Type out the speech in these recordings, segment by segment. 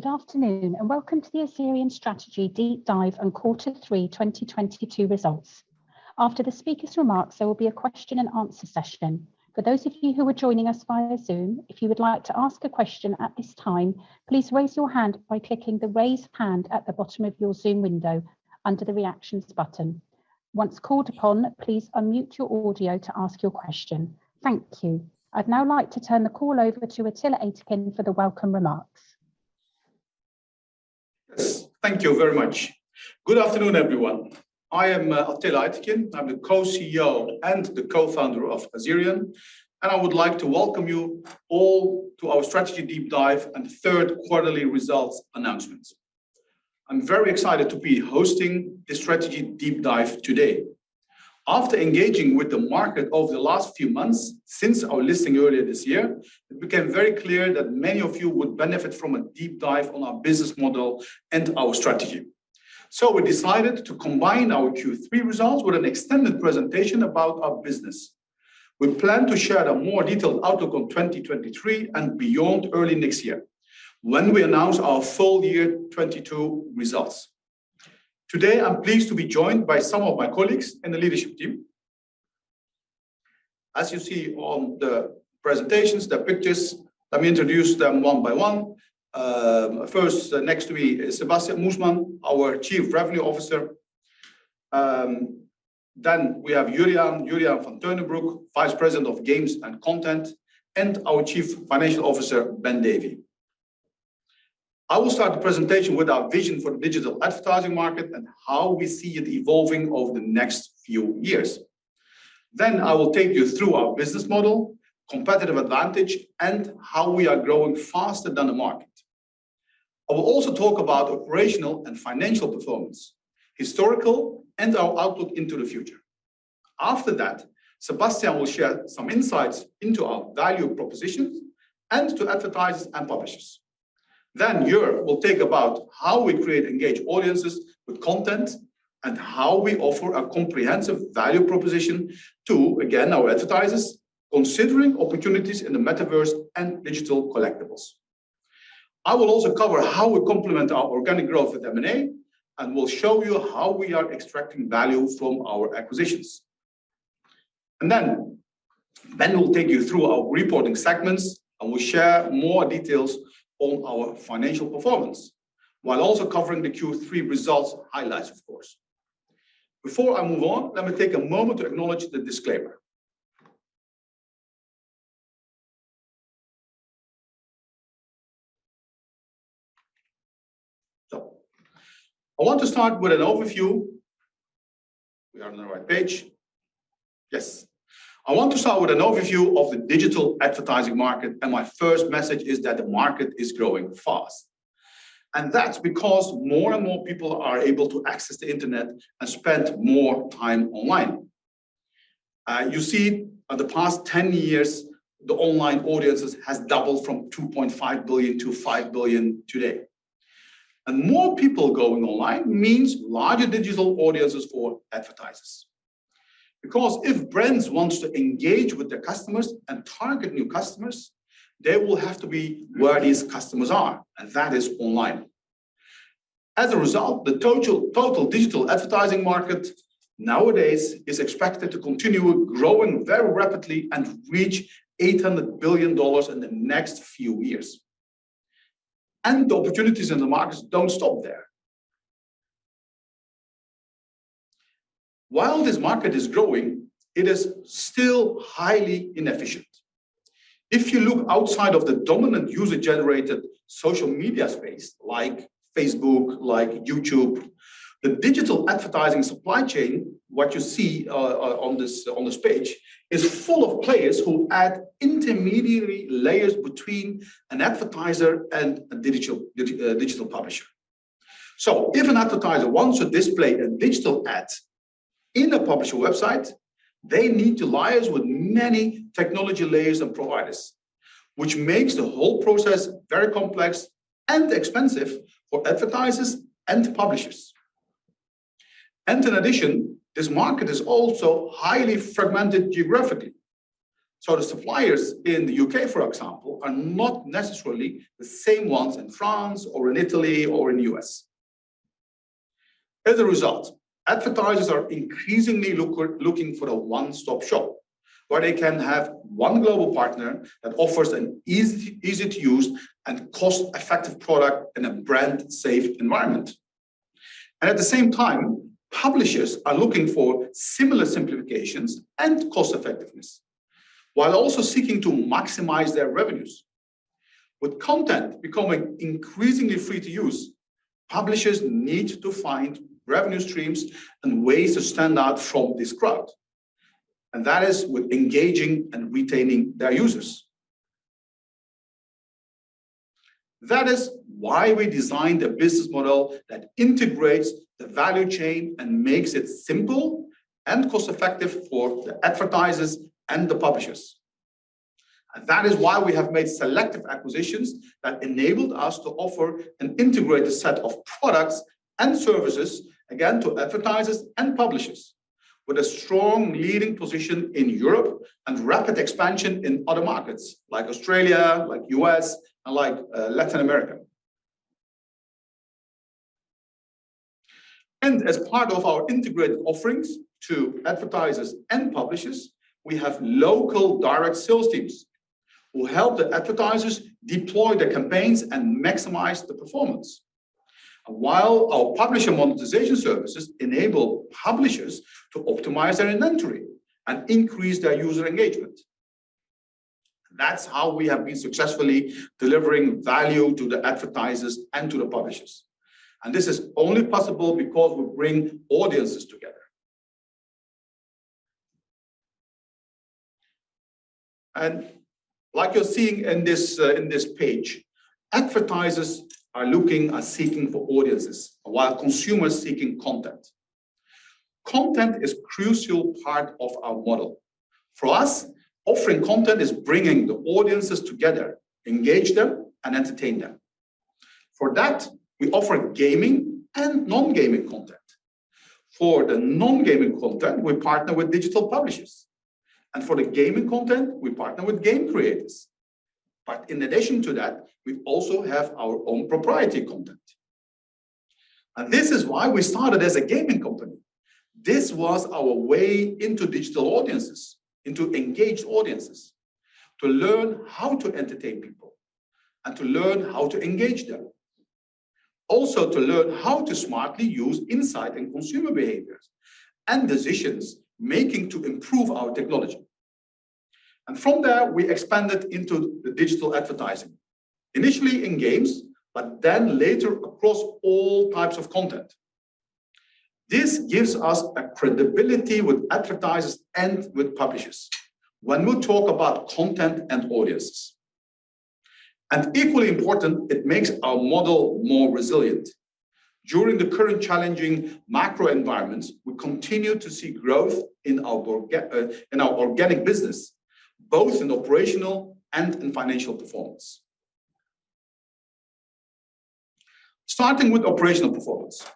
Good afternoon. Welcome to the Azerion Strategy Deep Dive on quarter three 2022 results. After the speaker's remarks, there will be a question and answer session. For those of you who are joining us via Zoom, if you would like to ask a question at this time, please raise your hand by clicking the Raise Hand at the bottom of your Zoom window under the Reactions button. Once called upon, please unmute your audio to ask your question. Thank you. I'd now like to turn the call over to Atilla Aytekin for the welcome remarks. Yes, thank you very much. Good afternoon, everyone. I am Atilla Aytekin. I'm the Co-CEO and the Co-founder of Azerion. I would like to welcome you all to our Strategy Deep Dive and third quarterly results announcement. I'm very excited to be hosting this Strategy Deep Dive today. After engaging with the market over the last few months since our listing earlier this year, it became very clear that many of you would benefit from a deep dive on our business model and our strategy. We decided to combine our Q3 results with an extended presentation about our business. We plan to share a more detailed outlook on 2023 and beyond early next year when we announce our full year 2022 results. Today, I'm pleased to be joined by some of my colleagues in the leadership team. As you see on the presentations, the pictures, let me introduce them one by one. First, next to me is Sebastiaan Moesman, our Chief Revenue Officer. We have Jurriaan van Teunenbroek, Vice President of Games and Content, and our Chief Financial Officer, Ben Davey. I will start the presentation with our vision for the digital advertising market and how we see it evolving over the next few years. I will take you through our business model, competitive advantage, and how we are growing faster than the market. I will also talk about operational and financial performance, historical, and our outlook into the future. Sebastiaan will share some insights into our value propositions and to advertisers and publishers. Jurriaan will talk about how we create engaged audiences with content and how we offer a comprehensive value proposition to, again, our advertisers, considering opportunities in the metaverse and digital collectibles. I will also cover how we complement our organic growth with M&A, and we'll show you how we are extracting value from our acquisitions. Ben will take you through our reporting segments, and we share more details on our financial performance while also covering the Q3 results highlights of course. Before I move on, let me take a moment to acknowledge the disclaimer. I want to start with an overview. We are on the right page. Yes. I want to start with an overview of the digital advertising market. My first message is that the market is growing fast, and that's because more and more people are able to access the internet and spend more time online. You see, the past 10 years, the online audiences has doubled from 2.5 billion-5 billion today. More people going online means larger digital audiences for advertisers. Because if brands wants to engage with their customers and target new customers, they will have to be where these customers are, and that is online. As a result, the total digital advertising market nowadays is expected to continue growing very rapidly and reach $800 billion in the next few years. The opportunities in the markets don't stop there. While this market is growing, it is still highly inefficient. If you look outside of the dominant user-generated social media space, like Facebook, like YouTube, the digital advertising supply chain, what you see on this, on this page, is full of players who add intermediary layers between an advertiser and a digital publisher. If an advertiser wants to display a digital ad in the publisher website, they need to liaise with many technology layers and providers, which makes the whole process very complex and expensive for advertisers and publishers. In addition, this market is also highly fragmented geographically. The suppliers in the U.K., for example, are not necessarily the same ones in France or in Italy or in U.S. As a result, advertisers are increasingly looking for a one-stop shop where they can have one global partner that offers an easy-to-use and cost-effective product in a brand safe environment. At the same time, publishers are looking for similar simplifications and cost effectiveness while also seeking to maximize their revenues. With content becoming increasingly free to use, publishers need to find revenue streams and ways to stand out from this crowd, and that is with engaging and retaining their users. That is why we designed a business model that integrates the value chain and makes it simple and cost-effective for the advertisers and the publishers. That is why we have made selective acquisitions that enabled us to offer an integrated set of products and services, again, to advertisers and publishers. With a strong leading position in Europe and rapid expansion in other markets like Australia, like U.S., and like Latin America. As part of our integrated offerings to advertisers and publishers, we have local direct sales teams who help the advertisers deploy their campaigns and maximize the performance. While our publisher monetization services enable publishers to optimize their inventory and increase their user engagement. That's how we have been successfully delivering value to the advertisers and to the publishers, and this is only possible because we bring audiences together. Like you're seeing in this, in this page, advertisers are looking and seeking for audiences, while consumers seeking content. Content is crucial part of our model. For us, offering content is bringing the audiences together, engage them and entertain them. For that, we offer gaming and non-gaming content. For the non-gaming content, we partner with digital publishers, and for the gaming content, we partner with game creators. In addition to that, we also have our own proprietary content. This is why we started as a gaming company. This was our way into digital audiences, into engaged audiences, to learn how to entertain people and to learn how to engage them. Also to learn how to smartly use insight in consumer behaviors and decisions making to improve our technology. From there, we expanded into the digital advertising. Initially in games, but then later across all types of content. This gives us a credibility with advertisers and with publishers when we talk about content and audiences. Equally important, it makes our model more resilient. During the current challenging macro environments, we continue to see growth in our organic business, both in operational and in financial performance. Starting with operational performance,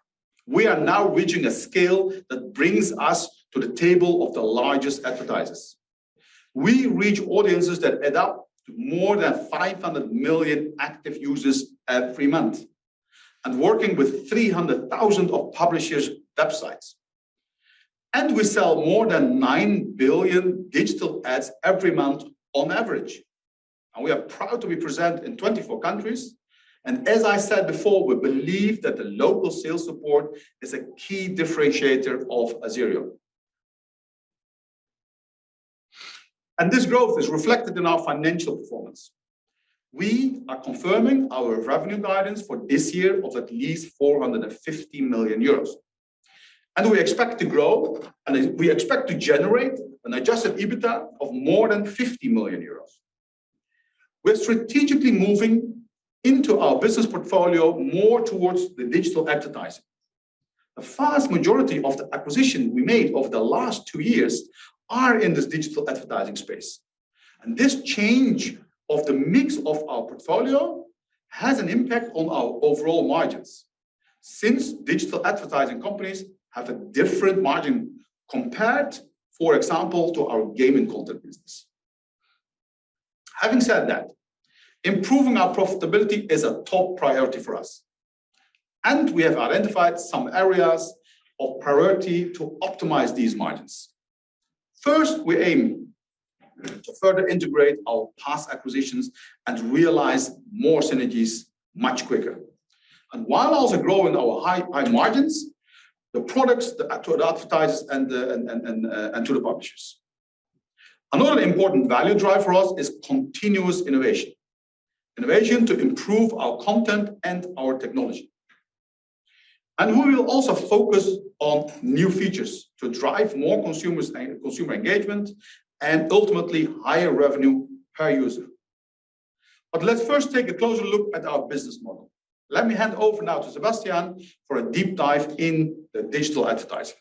we are now reaching a scale that brings us to the table of the largest advertisers. We reach audiences that add up to more than 500 million active users every month and working with 300,000 of publishers' websites. We sell more than nine billion digital ads every month on average, and we are proud to be present in 24 countries. As I said before, we believe that the local sales support is a key differentiator of Azerion. This growth is reflected in our financial performance. We are confirming our revenue guidance for this year of at least 450 million euros, and we expect to grow, and we expect to generate an adjusted EBITDA of more than 50 million euros. We're strategically moving into our business portfolio more towards the digital advertising. A vast majority of the acquisition we made over the last two years are in this digital advertising space. This change of the mix of our portfolio has an impact on our overall margins since digital advertising companies have a different margin compared, for example, to our gaming content business. Having said that, improving our profitability is a top priority for us, and we have identified some areas of priority to optimize these margins. First, we aim to further integrate our past acquisitions and realize more synergies much quicker. While also growing our high margins, the products to advertisers and the publishers. Another important value driver for us is continuous innovation. Innovation to improve our content and our technology. We will also focus on new features to drive more consumers, consumer engagement and ultimately higher revenue per user. Let's first take a closer look at our business model. Let me hand over now to Sebastiaan for a deep dive in the digital advertising.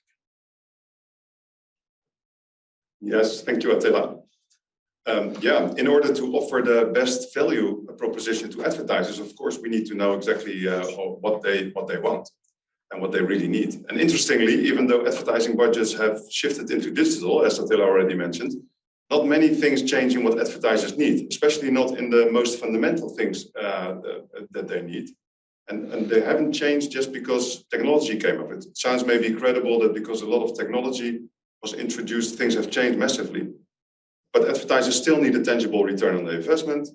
Yes. Thank you, Atilla. Yeah, in order to offer the best value proposition to advertisers, of course, we need to know exactly, what they, what they want and what they really need. Interestingly, even though advertising budgets have shifted into digital, as Atilla already mentioned, not many things change in what advertisers need, especially not in the most fundamental things, that they need. They haven't changed just because technology came of it. Sounds maybe incredible that because a lot of technology was introduced, things have changed massively. Advertisers still need a tangible return on their investment.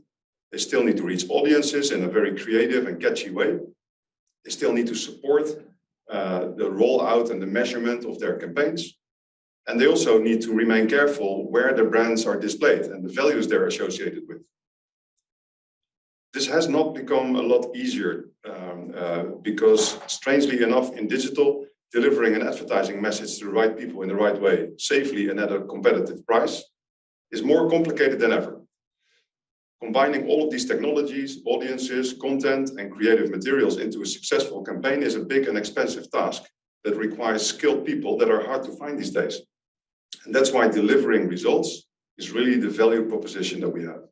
They still need to reach audiences in a very creative and catchy way. They still need to support, the rollout and the measurement of their campaigns, and they also need to remain careful where the brands are displayed and the values they're associated with. This has not become a lot easier, because strangely enough, in digital, delivering an advertising message to the right people in the right way, safely and at a competitive price, is more complicated than ever. Combining all of these technologies, audiences, content and creative materials into a successful campaign is a big and expensive task that requires skilled people that are hard to find these days. That's why delivering results is really the value proposition that we have.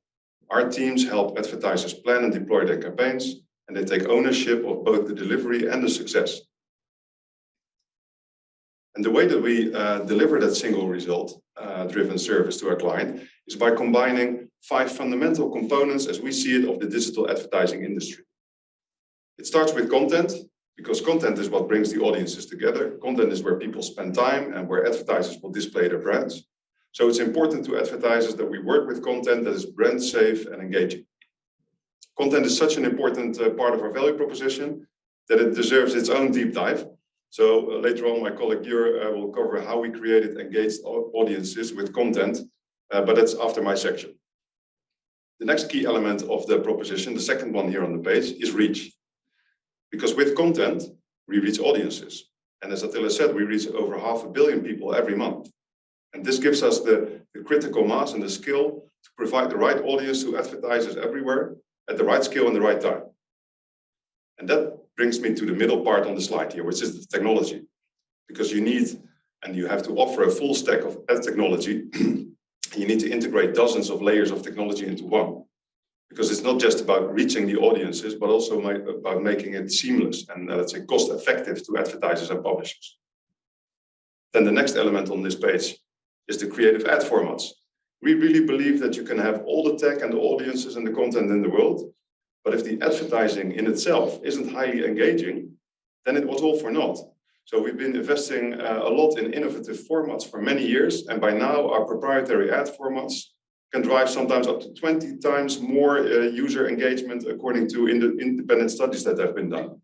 Our teams help advertisers plan and deploy their campaigns, and they take ownership of both the delivery and the success. The way that we deliver that single result driven service to our client is by combining five fundamental components as we see it of the digital advertising industry. It starts with content because content is what brings the audiences together. Content is where people spend time and where advertisers will display their brands. It's important to advertisers that we work with content that is brand safe and engaging. Content is such an important part of our value proposition that it deserves its own deep dive. Later on, my colleague, Jurriaan, will cover how we create engaged audiences with content, but that's after my section. The next key element of the proposition, the second one here on the page, is reach. With content, we reach audiences, and as Attila said, we reach over half a billion people every month. This gives us the critical mass and the scale to provide the right audience to advertisers everywhere at the right scale and the right time. That brings me to the middle part on the slide here, which is technology, because you need and you have to offer a full stack of ad technology, and you need to integrate dozens of layers of technology into one. It's not just about reaching the audiences, but also about making it seamless and, let's say, cost-effective to advertisers and publishers. The next element on this page is the creative ad formats. We really believe that you can have all the tech and the audiences and the content in the world, but if the advertising in itself isn't highly engaging, then it was all for naught. We've been investing a lot in innovative formats for many years, and by now our proprietary ad formats can drive sometimes up to 20 times more user engagement according to independent studies that have been done.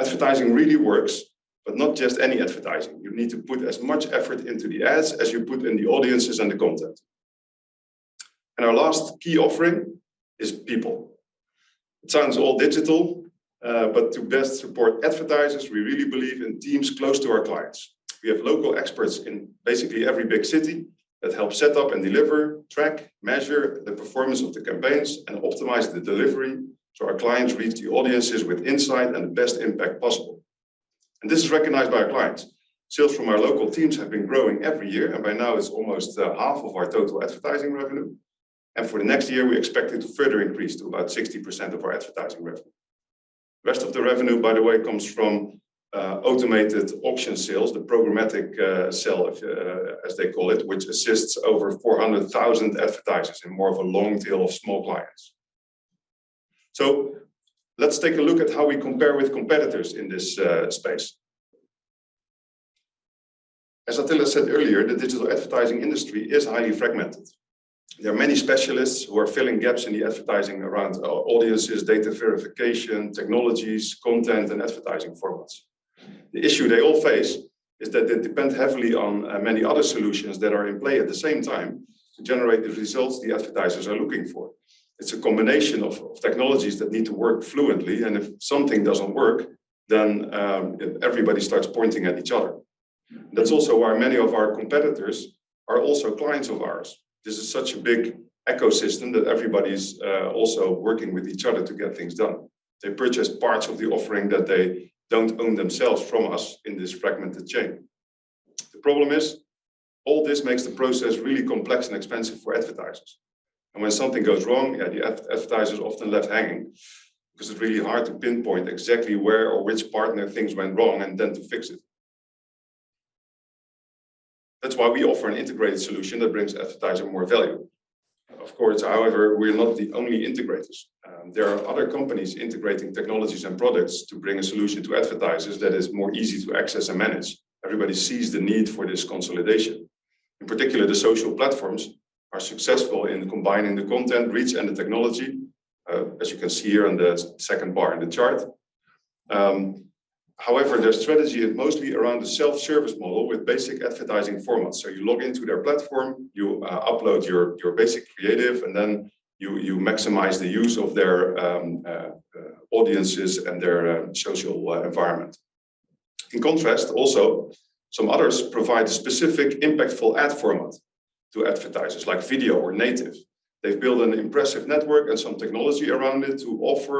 Advertising really works, but not just any advertising. You need to put as much effort into the ads as you put in the audiences and the content. Our last key offering is people. It sounds all digital, but to best support advertisers, we really believe in teams close to our clients. We have local experts in basically every big city that help set up and deliver, track, measure the performance of the campaigns, and optimize the delivery, so our clients reach the audiences with insight and the best impact possible. This is recognized by our clients. Sales from our local teams have been growing every year, and by now it's almost half of our total advertising revenue. For the next year, we expect it to further increase to about 60% of our advertising revenue. The rest of the revenue, by the way, comes from automated auction sales, the programmatic sale, as they call it, which assists over 400,000 advertisers in more of a long tail of small clients. Let's take a look at how we compare with competitors in this space. As Attila said earlier, the digital advertising industry is highly fragmented. There are many specialists who are filling gaps in the advertising around audiences, data verification, technologies, content, and advertising formats. The issue they all face is that they depend heavily on many other solutions that are in play at the same time to generate the results the advertisers are looking for. It's a combination of technologies that need to work fluently, if something doesn't work, everybody starts pointing at each other. That's also why many of our competitors are also clients of ours. This is such a big ecosystem that everybody's also working with each other to get things done. They purchase parts of the offering that they don't own themselves from us in this fragmented chain. The problem is, all this makes the process really complex and expensive for advertisers. When something goes wrong, yeah, the advertiser is often left hanging because it's really hard to pinpoint exactly where or which partner things went wrong and then to fix it. That's why we offer an integrated solution that brings advertisers more value. Of course, however, we're not the only integrators. There are other companies integrating technologies and products to bring a solution to advertisers that is more easy to access and manage. Everybody sees the need for this consolidation. In particular, the social platforms are successful in combining the content, reach, and the technology, as you can see here on the second bar in the chart. However, their strategy is mostly around the self-service model with basic advertising formats. You log into their platform, you upload your basic creative, and then you maximize the use of their audiences and their social environment. In contrast, also, some others provide specific impactful ad formats to advertisers, like video or native. They've built an impressive network and some technology around it to offer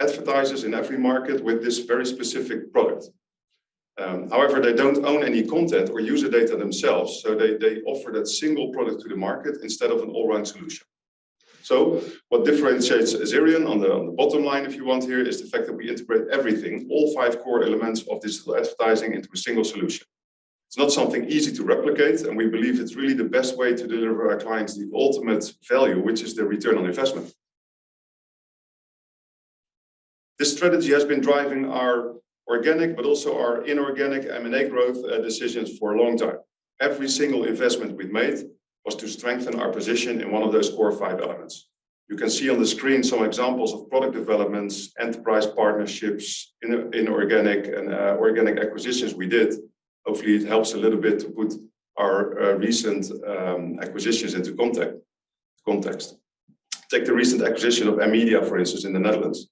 advertisers in every market with this very specific product. However, they don't own any content or user data themselves, they offer that single product to the market instead of an all-round solution. What differentiates on the bottom line, if you want here, is the fact that we integrate everything, all five core elements of digital advertising into a single solution. It's not something easy to replicate, and we believe it's really the best way to deliver our clients the ultimate value, which is the return on investment. This strategy has been driving our organic but also our inorganic M&A growth decisions for a long time. Every single investment we've made was to strengthen our position in one of those core five elements. You can see on the screen some examples of product developments, enterprise partnerships, inorganic and organic acquisitions we did. Hopefully, it helps a little bit to put our recent acquisitions into context. Take the recent acquisition of MMedia, for instance, in the Netherlands.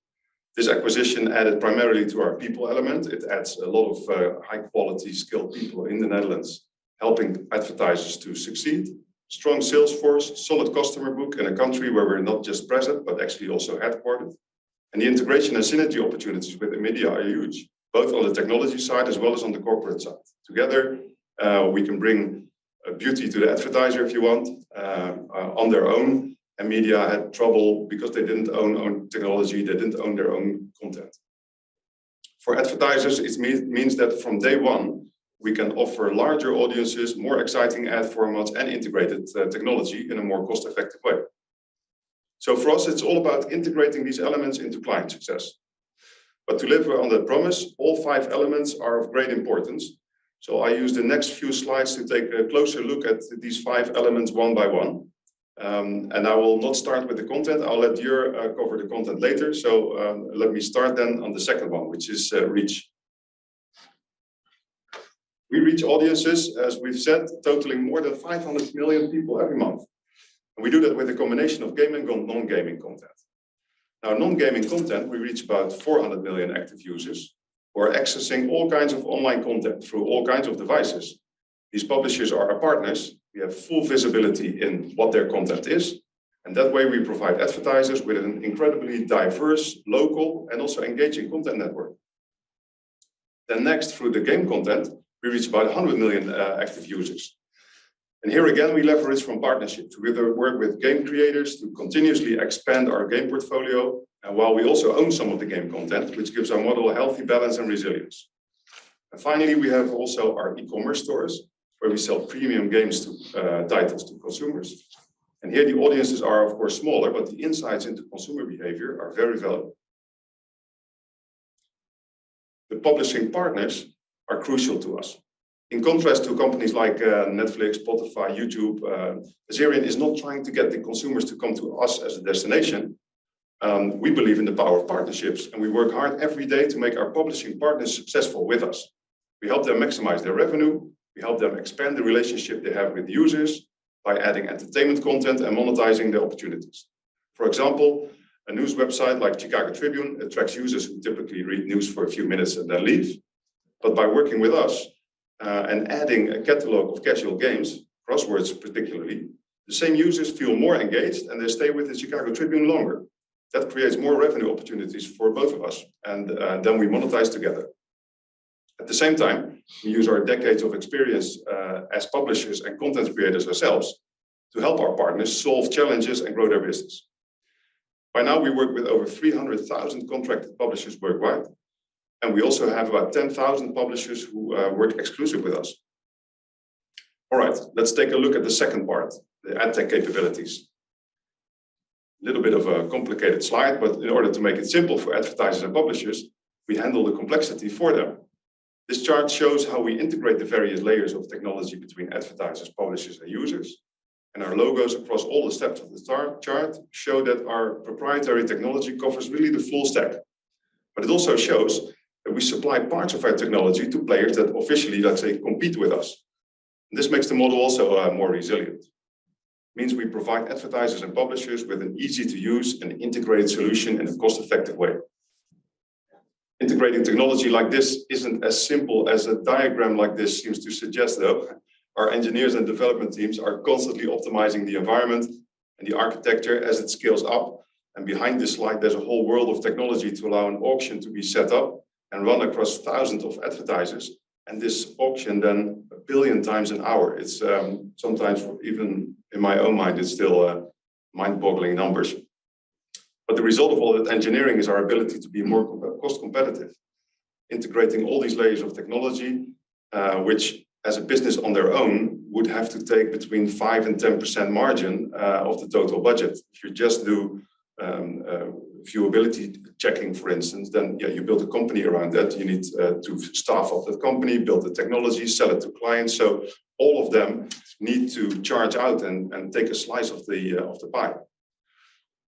This acquisition added primarily to our people element. It adds a lot of high-quality, skilled people in the Netherlands helping advertisers to succeed. Strong sales force, solid customer book in a country where we're not just present but actually also headquartered. The integration and synergy opportunities with MMedia are huge, both on the technology side as well as on the corporate side. Together, we can bring beauty to the advertiser if you want. On their own, MMedia had trouble because they didn't own technology, they didn't own their own content. For advertisers, it means that from day one, we can offer larger audiences, more exciting ad formats, and integrated technology in a more cost-effective way. For us, it's all about integrating these elements into client success. To deliver on that promise, all five elements are of great importance. I use the next few slides to take a closer look at these five elements one by one. I will not start with the content. I'll let Jurriaan cover the content later. Let me start on the second one, which is reach. We reach audiences, as we've said, totaling more than 500 million people every month, we do that with a combination of game and non-gaming content. Non-gaming content, we reach about 400 million active users who are accessing all kinds of online content through all kinds of devices. These publishers are our partners. We have full visibility in what their content is, that way, we provide advertisers with an incredibly diverse, local, and also engaging content network. Next, through the game content, we reach about 100 million active users. Here again, we leverage from partnerships. We work with game creators to continuously expand our game portfolio and while we also own some of the game content, which gives our model a healthy balance and resilience. Finally, we have also our e-commerce stores where we sell Premium Games titles to consumers. Here the audiences are, of course, smaller, but the insights into consumer behavior are very valuable. The publishing partners are crucial to us. In contrast to companies like Netflix, Spotify, YouTube, Azerion is not trying to get the consumers to come to us as a destination. We believe in the power of partnerships, and we work hard every day to make our publishing partners successful with us. We help them maximize their revenue. We help them expand the relationship they have with users by adding entertainment content and monetizing the opportunities. For example, a news website like Chicago Tribune attracts users who typically read news for a few minutes and then leave. By working with us, and adding a catalog of casual games, crosswords particularly, the same users feel more engaged, and they stay with the Chicago Tribune longer. That creates more revenue opportunities for both of us, and then we monetize together. At the same time, we use our decades of experience as publishers and content creators ourselves to help our partners solve challenges and grow their business. By now, we work with over 300,000 contracted publishers worldwide, and we also have about 10,000 publishers who work exclusive with us. All right, let's take a look at the second part, the ad tech capabilities. Little bit of a complicated slide. In order to make it simple for advertisers and publishers, we handle the complexity for them. This chart shows how we integrate the various layers of technology between advertisers, publishers, and users. Our logos across all the steps of this chart show that our proprietary technology covers really the full stack. It also shows that we supply parts of our technology to players that officially, let's say, compete with us. This makes the model also more resilient. Means we provide advertisers and publishers with an easy-to-use and integrated solution in a cost-effective way. Integrating technology like this isn't as simple as a diagram like this seems to suggest, though. Our engineers and development teams are constantly optimizing the environment and the architecture as it scales up. Behind this slide, there's a whole world of technology to allow an auction to be set up and run across thousands of advertisers. This auction then 1 billion times an hour. It's sometimes even in my own mind, it's still mind-boggling numbers. The result of all that engineering is our ability to be more co-cost competitive, integrating all these layers of technology, which as a business on their own, would have to take between 5% and 10% margin of the total budget. If you just do viewability checking, for instance, then, yeah, you build a company around that. You need to staff up that company, build the technology, sell it to clients. All of them need to charge out and take a slice of the pie.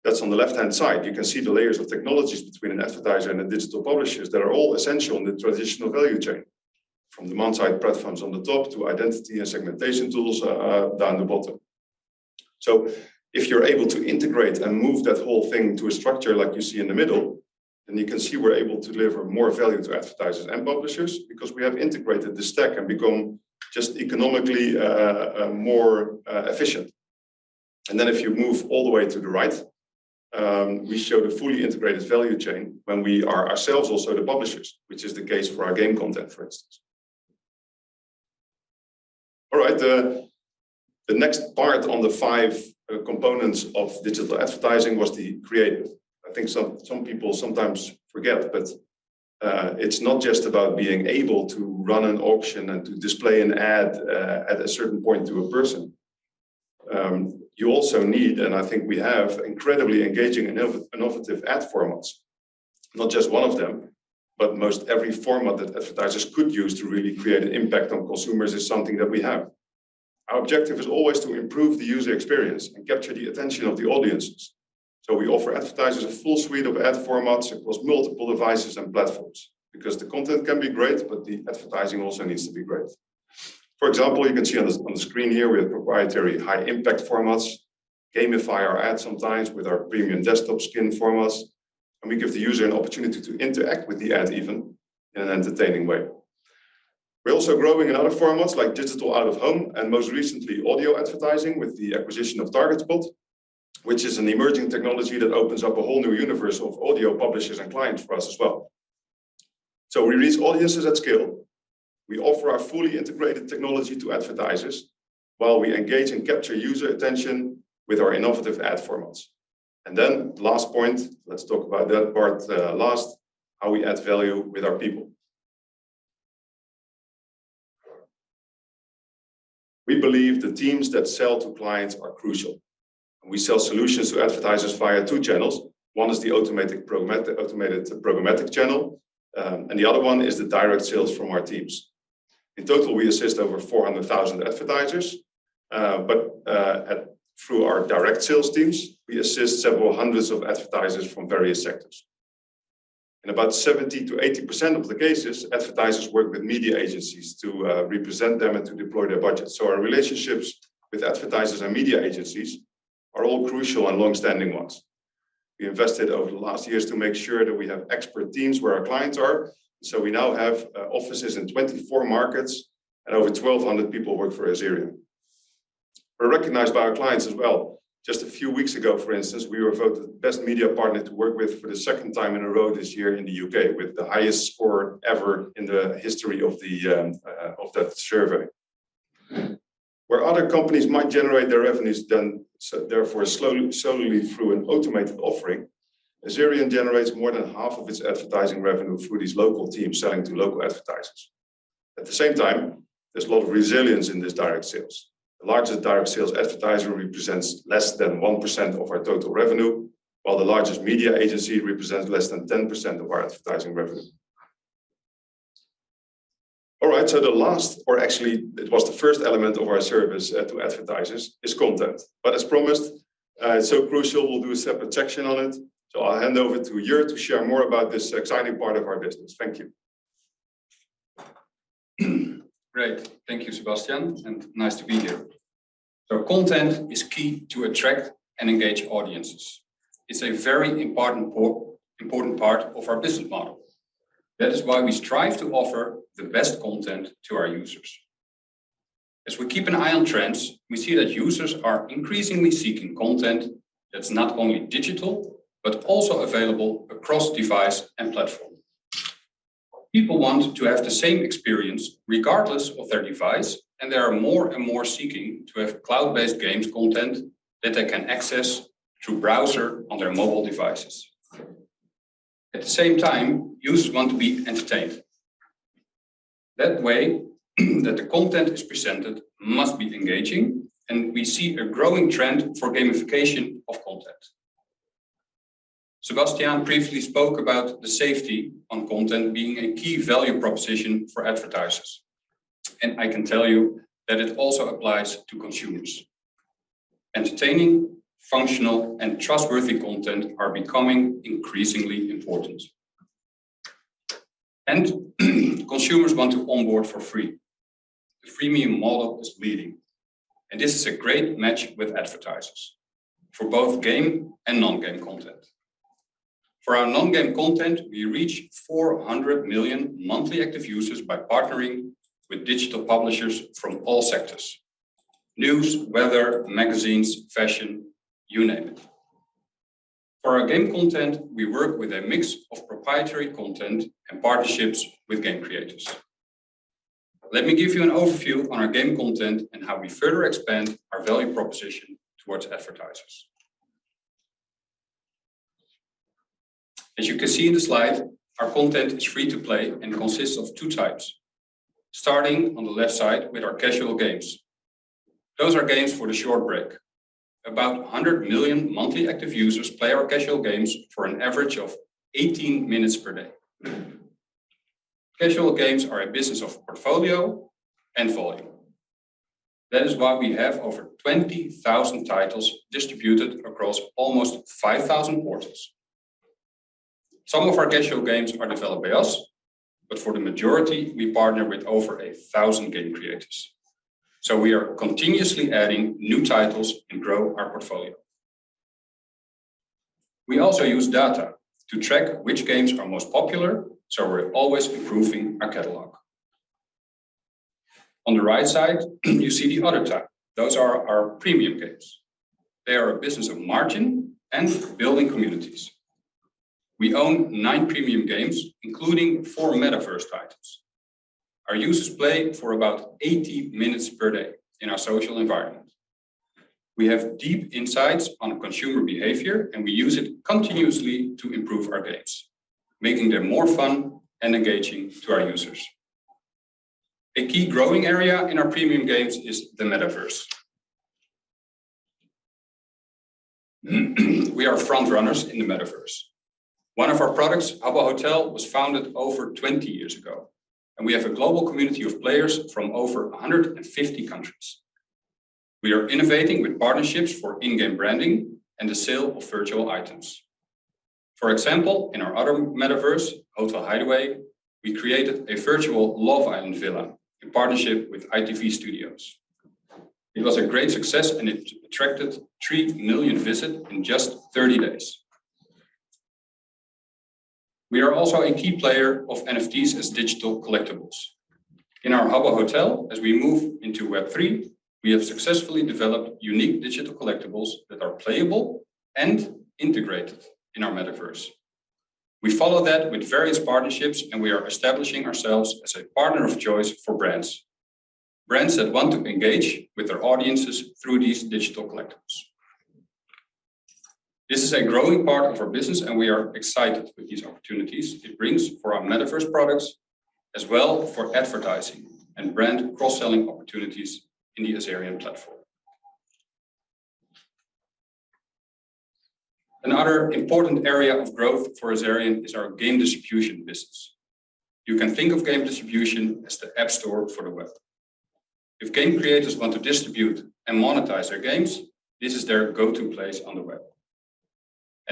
That's on the left-hand side. You can see the layers of technologies between an advertiser and the digital publishers that are all essential in the traditional value chain, from demand-side platforms on the top to identity and segmentation tools down the bottom. If you're able to integrate and move that whole thing to a structure like you see in the middle, then you can see we're able to deliver more value to advertisers and publishers because we have integrated this tech and become just economically more efficient. Then if you move all the way to the right, we show the fully integrated value chain when we are ourselves also the publishers, which is the case for our game content, for instance. All right, the next part on the five components of digital advertising was the creative. I think some people sometimes forget, but, it's not just about being able to run an auction and to display an ad at a certain point to a person. You also need, and I think we have incredibly engaging innovative ad formats. Not just one of them, but most every format that advertisers could use to really create an impact on consumers is something that we have. Our objective is always to improve the user experience and capture the attention of the audiences. We offer advertisers a full suite of ad formats across multiple devices and platforms because the content can be great, but the advertising also needs to be great. For example, you can see on the screen here, we have proprietary high impact formats, gamify our ads sometimes with our premium desktop skin formats, and we give the user an opportunity to interact with the ad even in an entertaining way. We're also growing in other formats like digital out-of-home, and most recently, audio advertising with the acquisition of Targetspot, which is an emerging technology that opens up a whole new universe of audio publishers and clients for us as well. We reach audiences at scale. We offer our fully integrated technology to advertisers while we engage and capture user attention with our innovative ad formats. Last point, let's talk about that part last, how we add value with our people. We believe the teams that sell to clients are crucial, and we sell solutions to advertisers via two channels. One is the automatic automated programmatic channel, and the other one is the direct sales from our teams. In total, we assist over 400,000 advertisers, but through our direct sales teams, we assist several hundreds of advertisers from various sectors. In about 70%-80% of the cases, advertisers work with media agencies to represent them and to deploy their budget. Our relationships with advertisers and media agencies are all crucial and long-standing ones. We invested over the last years to make sure that we have expert teams where our clients are, so we now have offices in 24 markets, and over 1,200 people work for Azerion. We're recognized by our clients as well. Just a few weeks ago, for instance, we were voted the best media partner to work with for the second time in a row this year in the U.K., with the highest score ever in the history of the of that survey. Where other companies might generate their revenues so therefore slowly, solely through an automated offering, Azerion generates more than half of its advertising revenue through these local teams selling to local advertisers. At the same time, there's a lot of resilience in this direct sales. The largest direct sales advertiser represents less than 1% of our total revenue, while the largest media agency represents less than 10% of our advertising revenue. The last, or actually it was the first element of our service to advertisers, is content. As promised, it's so crucial, we'll do a separate section on it, so I'll hand over to Jurriaan to share more about this exciting part of our business. Thank you. Great. Thank you, Sebastiaan, and nice to be here. Content is key to attract and engage audiences. It's a very important part of our business model. That is why we strive to offer the best content to our users. As we keep an eye on trends, we see that users are increasingly seeking content that's not only digital, but also available across device and platform. People want to have the same experience regardless of their device, and they are more and more seeking to have cloud-based games content that they can access through browser on their mobile devices. At the same time, users want to be entertained. That way, the content is presented must be engaging, and we see a growing trend for gamification of content. Sebastiaan briefly spoke about the safety on content being a key value proposition for advertisers, and I can tell you that it also applies to consumers. Entertaining, functional, and trustworthy content are becoming increasingly important. Consumers want to onboard for free. The freemium model is leading, and this is a great match with advertisers for both game and non-game content. For our non-game content, we reach 400 million monthly active users by partnering with digital publishers from all sectors: news, weather, magazines, fashion, you name it. For our game content, we work with a mix of proprietary content and partnerships with game creators. Let me give you an overview on our game content and how we further expand our value proposition towards advertisers. As you can see in the slide, our content is free to play and consists of two types, starting on the left side with our casual games. About 100 million monthly active users play our casual games for an average of 18 minutes per day. Casual games are a business of portfolio and volume. That is why we have over 20,000 titles distributed across almost 5,000 portals. Some of our casual games are developed by us, but for the majority, we partner with over 1,000 game creators, so we are continuously adding new titles and grow our portfolio. We also use data to track which games are most popular, so we're always improving our catalog. On the right side, you see the other type. Those are our Premium Games. They are a business of margin and building communities. We own nine Premium Games, including four metaverse titles. Our users play for about 18 minutes per day in our social environment. We have deep insights on consumer behavior, and we use it continuously to improve our games, making them more fun and engaging to our users. A key growing area in our Premium Games is the metaverse. We are frontrunners in the metaverse. One of our products, Habbo Hotel, was founded over 20 years ago, and we have a global community of players from over 150 countries. We are innovating with partnerships for in-game branding and the sale of virtual items. For example, in our other metaverse, Hotel Hideaway, we created a virtual Love Island villa in partnership with ITV Studios. It was a great success, and it attracted three million visit in just 30 days. We are also a key player of NFTs as digital collectibles. In our Habbo Hotel, as we move into Web3, we have successfully developed unique digital collectibles that are playable and integrated in our metaverse. We follow that with various partnerships, and we are establishing ourselves as a partner of choice for brands that want to engage with their audiences through these digital collectibles. This is a growing part of our business, and we are excited with these opportunities it brings for our metaverse products as well for advertising and brand cross-selling opportunities in the Azerion platform. Another important area of growth for Azerion is our game distribution business. You can think of game distribution as the App Store for the web. If game creators want to distribute and monetize their games, this is their go-to place on the web.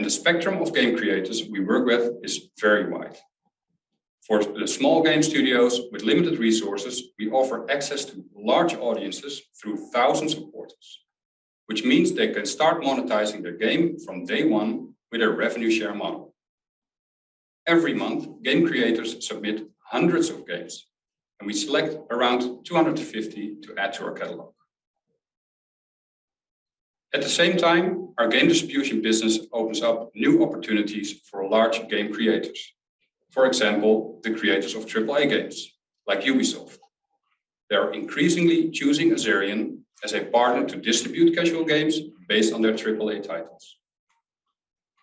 The spectrum of game creators we work with is very wide. For the small game studios with limited resources, we offer access to large audiences through thousands of portals, which means they can start monetizing their game from day one with a revenue share model. Every month, game creators submit hundreds of games, and we select around 250 to add to our catalog. At the same time, our game distribution business opens up new opportunities for large game creators. For example, the creators of AAA games like Ubisoft. They are increasingly choosing Azerion as a partner to distribute casual games based on their AAA titles.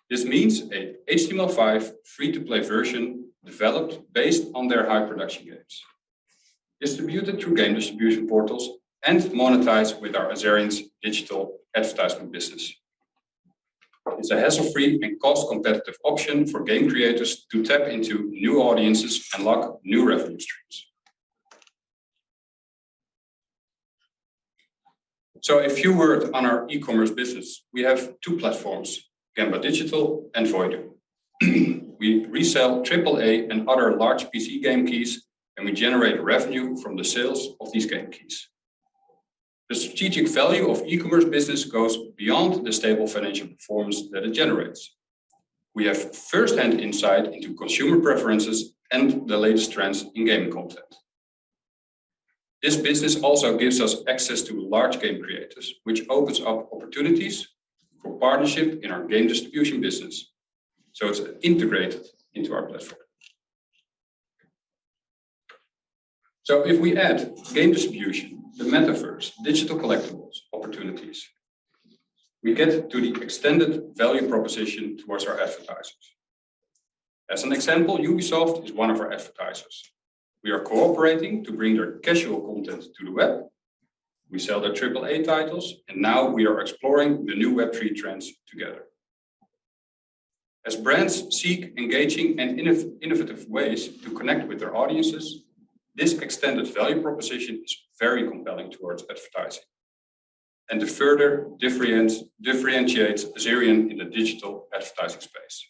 This means a HTML5 free-to-play version developed based on their high production games, distributed through game distribution portals and monetized with our Azerion's digital advertising business. It's a hassle-free and cost-competitive option for game creators to tap into new audiences and lock new revenue streams. A few words on our e-commerce business. We have two platforms, Genba Digital and Voidu. We resell AAA and other large PC game keys, and we generate revenue from the sales of these game keys. The strategic value of e-commerce business goes beyond the stable financial performance that it generates. We have first-hand insight into consumer preferences and the latest trends in gaming content. This business also gives us access to large game creators, which opens up opportunities for partnership in our game distribution business, so it's integrated into our platform. If we add game distribution, the metaverse, digital collectibles opportunities, we get to the extended value proposition towards our advertisers. As an example, Ubisoft is one of our advertisers. We are cooperating to bring their casual content to the web. We sell their AAA titles, and now we are exploring the new Web3 trends together. As brands seek engaging and innovative ways to connect with their audiences, this extended value proposition is very compelling towards advertising and to further differentiate Azerion in the digital advertising space.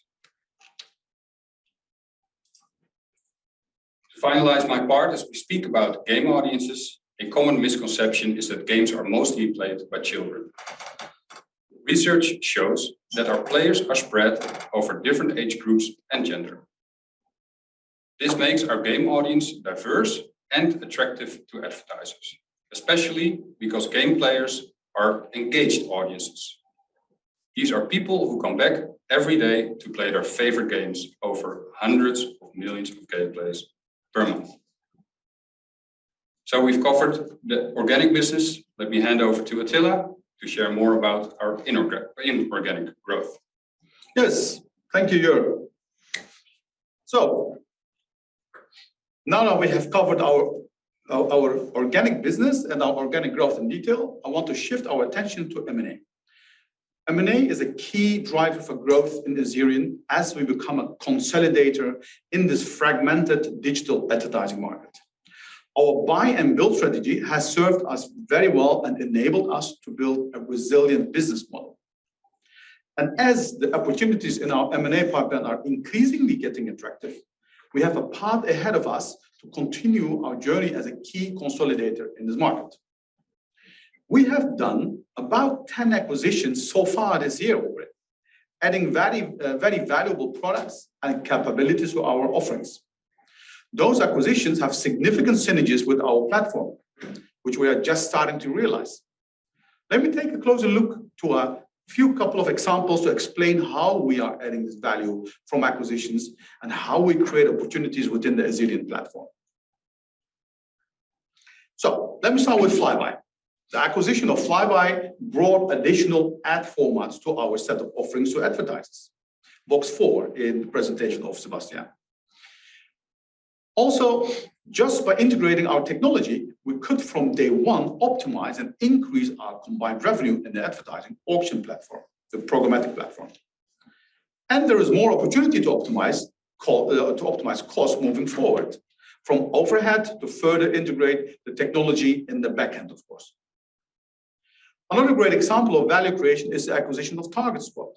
To finalize my part, as we speak about game audiences, a common misconception is that games are mostly played by children. Research shows that our players are spread over different age groups and gender. This makes our game audience diverse and attractive to advertisers, especially because game players are engaged audiences. These are people who come back every day to play their favorite games over hundreds of millions of gameplays per month. We've covered the organic business. Let me hand over to Atilla to share more about our inorganic growth. Yes. Thank you, Jurriaan. Now that we have covered our organic business and our organic growth in detail, I want to shift our attention to M&A. M&A is a key driver for growth in Azerion as we become a consolidator in this fragmented digital advertising market. Our buy and build strategy has served us very well and enabled us to build a resilient business model. As the opportunities in our M&A pipeline are increasingly getting attractive, we have a path ahead of us to continue our journey as a key consolidator in this market. We have done about 10 acquisitions so far this year already, adding very valuable products and capabilities to our offerings. Those acquisitions have significant synergies with our platform, which we are just starting to realize. Let me take a closer look to a few couple of examples to explain how we are adding this value from acquisitions and how we create opportunities within the Azerion platform. Let me start with Vlyby. The acquisition of Vlyby brought additional ad formats to our set of offerings to advertisers. Box four in the presentation of Sebastiaan. Also, just by integrating our technology, we could from day one optimize and increase our combined revenue in the advertising auction platform, the programmatic platform. There is more opportunity to optimize costs moving forward, from overhead to further integrate the technology in the back end, of course. Another great example of value creation is the acquisition of Targetspot,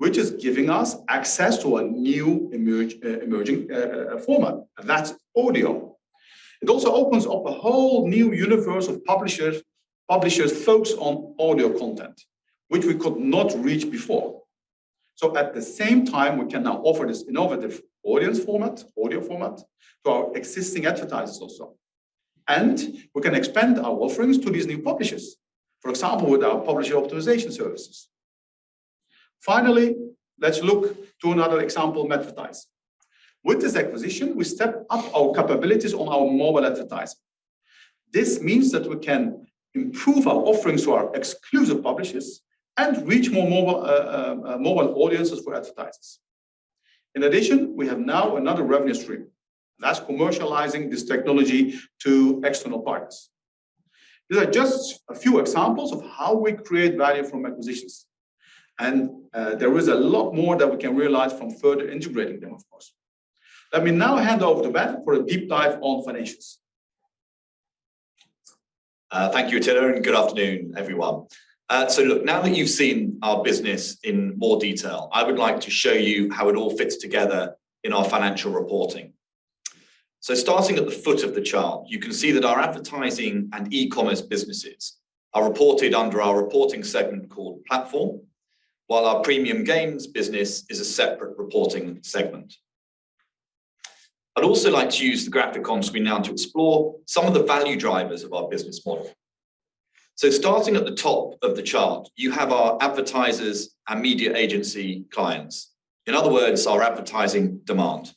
which is giving us access to a new emerging format, and that's audio. It also opens up a whole new universe of publishers focused on audio content, which we could not reach before. At the same time, we can now offer this innovative audience format, audio format to our existing advertisers also. We can expand our offerings to these new publishers, for example, with our publisher optimization services. Finally, let's look to another example, Metatize. With this acquisition, we step up our capabilities on our mobile advertising. This means that we can improve our offerings to our exclusive publishers and reach more mobile audiences for advertisers. In addition, we have now another revenue stream, and that's commercializing this technology to external partners. These are just a few examples of how we create value from acquisitions. There is a lot more that we can realize from further integrating them, of course. Let me now hand over to Ben for a deep dive on financials. Thank you, Atilla, and good afternoon, everyone. Look, now that you've seen our business in more detail, I would like to show you how it all fits together in our financial reporting. Starting at the foot of the chart, you can see that our advertising and e-commerce businesses are reported under our reporting segment called Platform, while our Premium Games business is a separate reporting segment. I'd also like to use the graphic on screen now to explore some of the value drivers of our business model. Starting at the top of the chart, you have our advertisers and media agency clients, in other words, our advertising demand.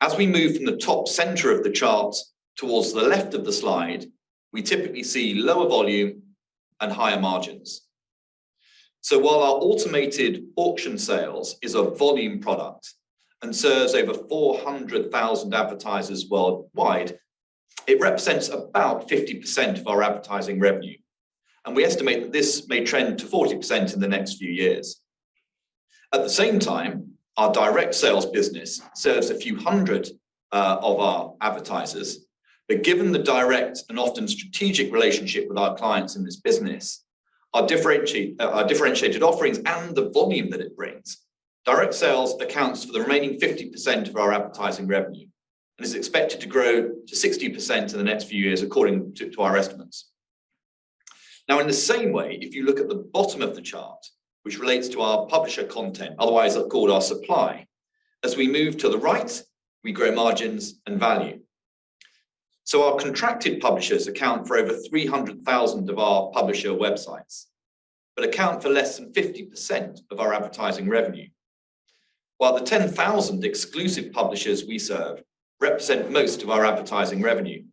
As we move from the top center of the chart towards the left of the slide, we typically see lower volume and higher margins. While our automated auction sales is a volume product and serves over 400,000 advertisers worldwide, it represents about 50% of our advertising revenue, and we estimate that this may trend to 40% in the next few years. At the same time, our direct sales business serves a few hundred of our advertisers. Given the direct and often strategic relationship with our clients in this business, our differentiated offerings and the volume that it brings, direct sales accounts for the remaining 50% of our advertising revenue and is expected to grow to 60% in the next few years, according to our estimates. In the same way, if you look at the bottom of the chart, which relates to our publisher content, otherwise called our supply, as we move to the right, we grow margins and value. Our contracted publishers account for over 300,000 of our publisher websites, but account for less than 50% of our advertising revenue, while the 10,000 exclusive publishers we serve represent most of our advertising revenue.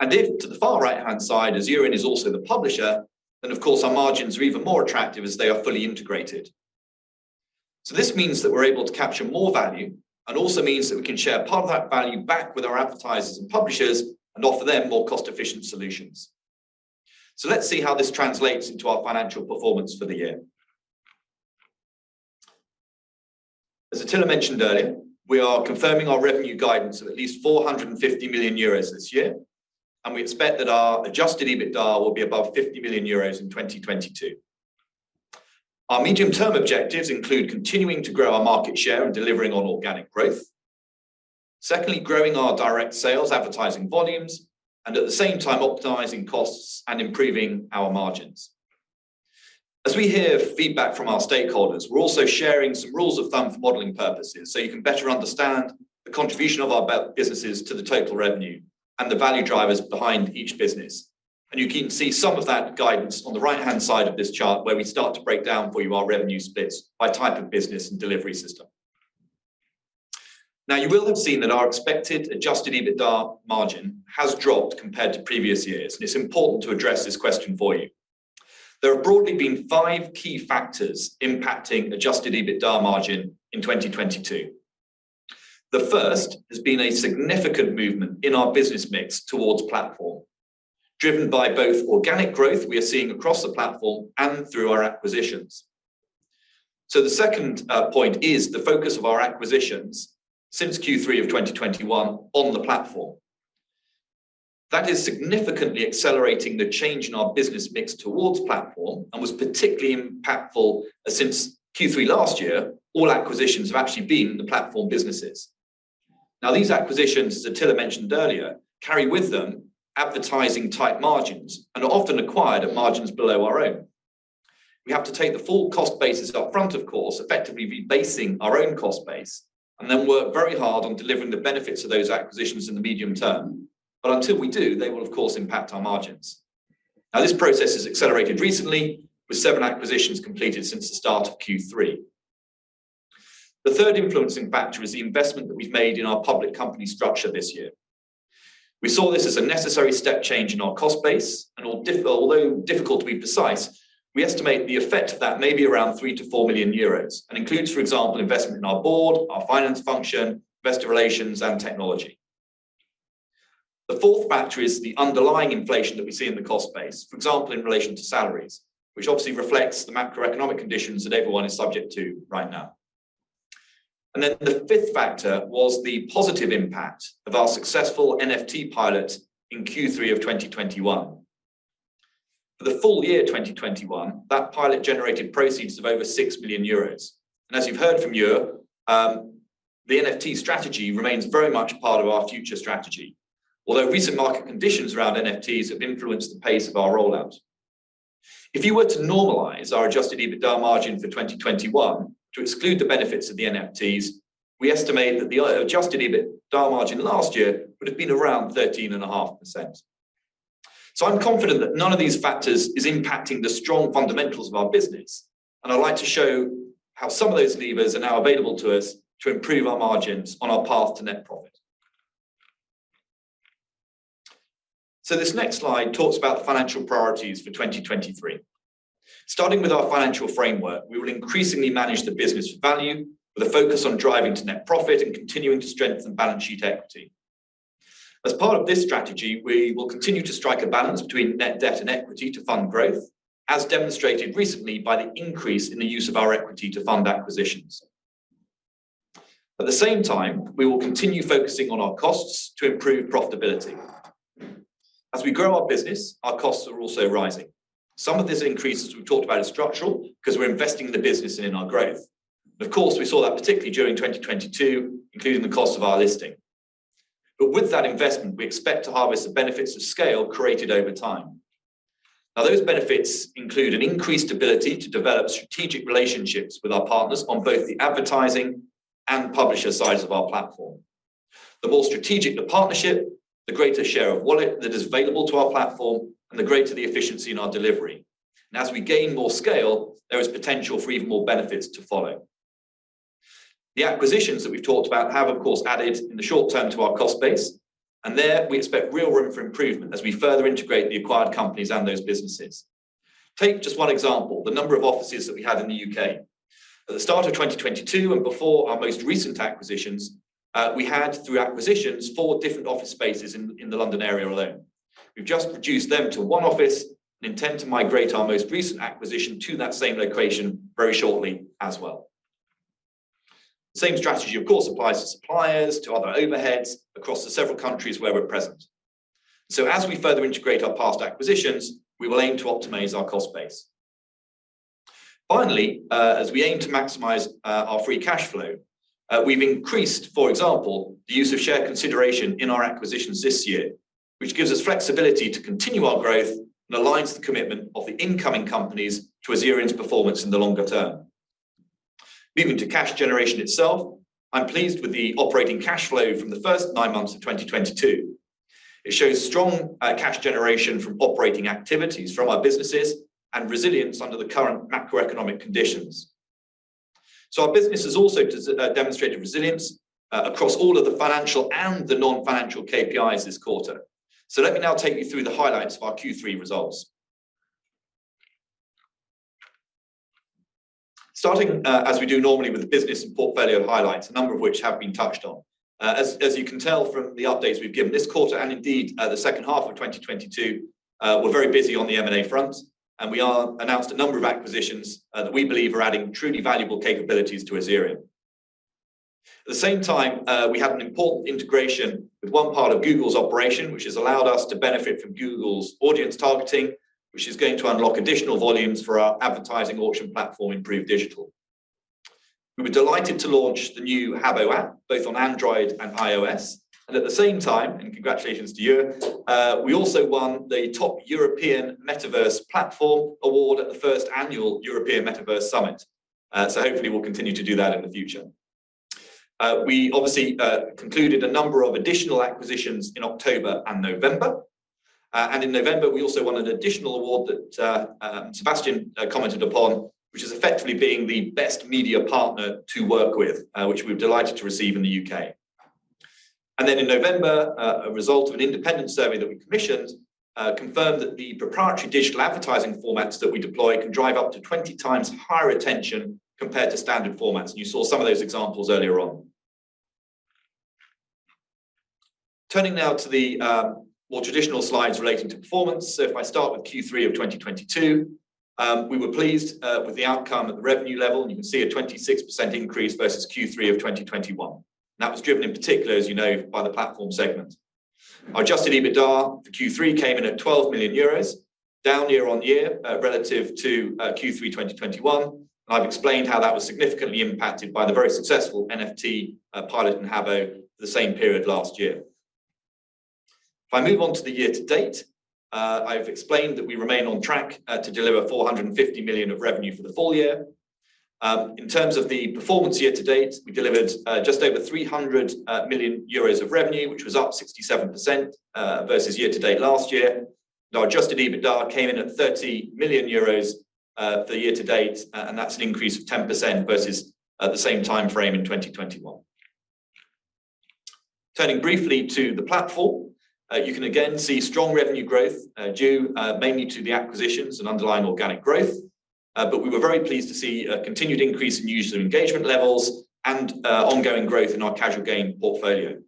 If to the far right-hand side, as Euron is also the publisher, then of course our margins are even more attractive as they are fully integrated. This means that we're able to capture more value and also means that we can share part of that value back with our advertisers and publishers and offer them more cost-efficient solutions. Let's see how this translates into our financial performance for the year. As Atilla mentioned earlier, we are confirming our revenue guidance of at least 450 million euros this year, and we expect that our adjusted EBITDA will be above 50 million euros in 2022. Our medium-term objectives include continuing to grow our market share and delivering on organic growth. Growing our direct sales advertising volumes, at the same time optimizing costs and improving our margins. As we hear feedback from our stakeholders, we're also sharing some rules of thumb for modeling purposes, you can better understand the contribution of our businesses to the total revenue and the value drivers behind each business. You can see some of that guidance on the right-hand side of this chart where we start to break down for you our revenue splits by type of business and delivery system. You will have seen that our expected adjusted EBITDA margin has dropped compared to previous years, it's important to address this question for you. There have broadly been five key factors impacting adjusted EBITDA margin in 2022. The first has been a significant movement in our business mix towards platform, driven by both organic growth we are seeing across the platform and through our acquisitions. The second point is the focus of our acquisitions since Q3 of 2021 on the platform. That is significantly accelerating the change in our business mix towards platform and was particularly impactful since Q3 last year, all acquisitions have actually been in the platform businesses. These acquisitions, as Atilla mentioned earlier, carry with them advertising-type margins and are often acquired at margins below our own. We have to take the full cost bases up front, of course, effectively rebasing our own cost base, and then work very hard on delivering the benefits of those acquisitions in the medium term. Until we do, they will of course impact our margins. This process has accelerated recently with seven acquisitions completed since the start of Q3. The third influencing factor is the investment that we've made in our public company structure this year. We saw this as a necessary step change in our cost base, and although difficult to be precise, we estimate the effect of that may be around 3 million-4 million euros and includes, for example, investment in our board, our finance function, investor relations and technology. The fourth factor is the underlying inflation that we see in the cost base, for example, in relation to salaries, which obviously reflects the macroeconomic conditions that everyone is subject to right now. The fifth factor was the positive impact of our successful NFT pilot in Q3 of 2021. For the full year 2021, that pilot generated proceeds of over 6 million euros. As you've heard from Jurriaan, the NFT strategy remains very much part of our future strategy, although recent market conditions around NFTs have influenced the pace of our rollout. If you were to normalize our adjusted EBITDA margin for 2021 to exclude the benefits of the NFTs, we estimate that the adjusted EBITDA margin last year would have been around 13 and a half%. I'm confident that none of these factors is impacting the strong fundamentals of our business, and I'd like to show how some of those levers are now available to us to improve our margins on our path to net profit. This next slide talks about the financial priorities for 2023. Starting with our financial framework, we will increasingly manage the business for value with a focus on driving to net profit and continuing to strengthen balance sheet equity. As part of this strategy, we will continue to strike a balance between net debt and equity to fund growth, as demonstrated recently by the increase in the use of our equity to fund acquisitions. At the same time, we will continue focusing on our costs to improve profitability. As we grow our business, our costs are also rising. Some of this increase, as we've talked about, is structural because we're investing in the business and in our growth. Of course, we saw that particularly during 2022, including the cost of our listing. But with that investment, we expect to harvest the benefits of scale created over time. Now, those benefits include an increased ability to develop strategic relationships with our partners on both the advertising and publisher sides of our platform. The more strategic the partnership, the greater share of wallet that is available to our platform and the greater the efficiency in our delivery. As we gain more scale, there is potential for even more benefits to follow. The acquisitions that we've talked about have, of course, added in the short term to our cost base, and there we expect real room for improvement as we further integrate the acquired companies and those businesses. Take just one example, the number of offices that we had in the U.K. At the start of 2022 and before our most recent acquisitions, we had, through acquisitions, four different office spaces in the London area alone. We've just reduced them to one office and intend to migrate our most recent acquisition to that same location very shortly as well. The same strategy, of course, applies to suppliers, to other overheads across the several countries where we're present. As we further integrate our past acquisitions, we will aim to optimize our cost base. Finally, as we aim to maximize our free cash flow, we've increased, for example, the use of share consideration in our acquisitions this year, which gives us flexibility to continue our growth and aligns the commitment of the incoming companies to Azerion's performance in the longer term. Moving to cash generation itself, I'm pleased with the operating cash flow from the first nine months of 2022. It shows strong cash generation from operating activities from our businesses and resilience under the current macroeconomic conditions. Our business has also demonstrated resilience across all of the financial and the non-financial KPIs this quarter. Let me now take you through the highlights of our Q3 results. Starting, as we do normally with the business and portfolio highlights, a number of which have been touched on. As you can tell from the updates we've given this quarter and indeed, the second half of 2022, we're very busy on the M&A front, and we are announced a number of acquisitions that we believe are adding truly valuable capabilities to Azerion. At the same time, we have an important integration with one part of Google's operation, which has allowed us to benefit from Google's audience targeting, which is going to unlock additional volumes for our advertising auction platform, Improve Digital. We were delighted to launch the new Habbo app both on Android and iOS. At the same time, and congratulations to you, we also won the top European Metaverse Platform award at the first annual European Metaverse Summit. Hopefully we'll continue to do that in the future. We obviously concluded a number of additional acquisitions in October and November. In November, we also won an additional award that Sebastiaan commented upon, which is effectively being the best media partner to work with, which we're delighted to receive in the U.K. In November, a result of an independent survey that we commissioned, confirmed that the proprietary digital advertising formats that we deploy can drive up to 20 times higher attention compared to standard formats, and you saw some of those examples earlier on. Turning now to the more traditional slides relating to performance. If I start with Q3 of 2022, we were pleased with the outcome at the revenue level, and you can see a 26% increase versus Q3 of 2021. That was driven in particular, as you know, by the Platform segment. Our adjusted EBITDA for Q3 came in at 12 million euros, down year-over-year relative to Q3 2021. I've explained how that was significantly impacted by the very successful NFT pilot in Habbo for the same period last year. If I move on to the year-to-date, I've explained that we remain on track to deliver 450 million of revenue for the full year. In terms of the performance year-to-date, we delivered just over 300 million euros of revenue, which was up 67% versus year-to-date last year. Our adjusted EBITDA came in at 30 million euros for year-to-date, and that's an increase of 10% versus the same time frame in 2021. Turning briefly to the Platform, you can again see strong revenue growth, due mainly to the acquisitions and underlying organic growth. We were very pleased to see a continued increase in user engagement levels and ongoing growth in our casual game portfolio.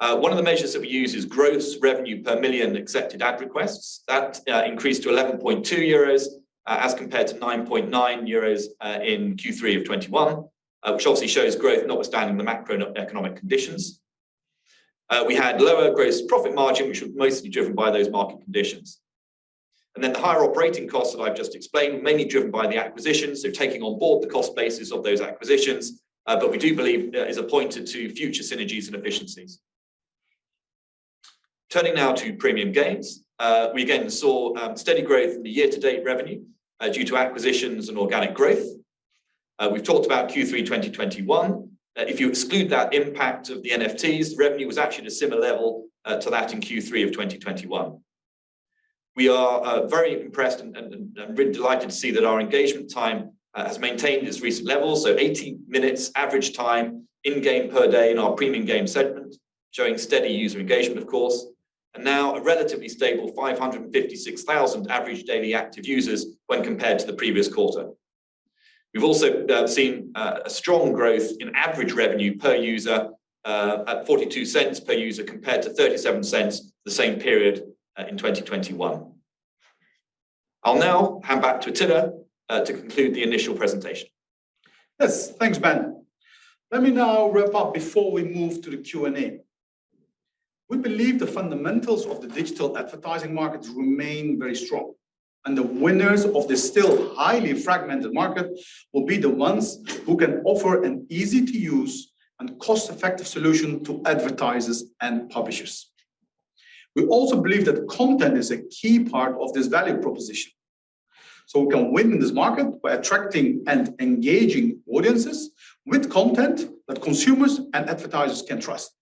One of the measures that we use is gross revenue per million accepted ad requests. That increased to 11.2 euros, as compared to 9.9 euros in Q3 2021, which obviously shows growth notwithstanding the macroeconomic conditions. We had lower gross profit margin, which was mostly driven by those market conditions. The higher operating costs that I've just explained, mainly driven by the acquisitions, so taking on board the cost basis of those acquisitions, we do believe that is a pointer to future synergies and efficiencies. Turning now to Premium Games, we again saw steady growth in the year-to-date revenue due to acquisitions and organic growth. We've talked about Q3 2021. If you exclude that impact of the NFTs, revenue was actually at a similar level to that in Q3 2021. We are very impressed and really delighted to see that our engagement time has maintained its recent levels, so 80 minutes average time in-game per day in our Premium Games segment, showing steady user engagement of course, and now a relatively stable 556,000 average daily active users when compared to the previous quarter. We've also seen a strong growth in average revenue per user, at 0.42 per user compared to 0.37 the same period, in 2021. I'll now hand back to Atilla to conclude the initial presentation. Yes, thanks, Ben. Let me now wrap up before we move to the Q&A. We believe the fundamentals of the digital advertising markets remain very strong, and the winners of this still highly fragmented market will be the ones who can offer an easy-to-use and cost-effective solution to advertisers and publishers. We also believe that content is a key part of this value proposition. We can win in this market by attracting and engaging audiences with content that consumers and advertisers can trust.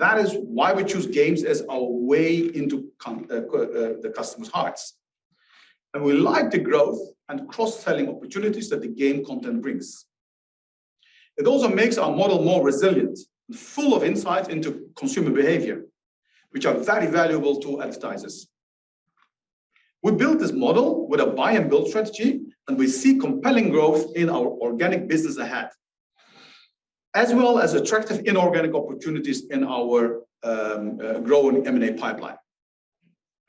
That is why we choose games as our way into the customers' hearts. We like the growth and cross-selling opportunities that the game content brings. It also makes our model more resilient and full of insight into consumer behavior, which are very valuable to advertisers. We built this model with a buy and build strategy, we see compelling growth in our organic business ahead, as well as attractive inorganic opportunities in our growing M&A pipeline.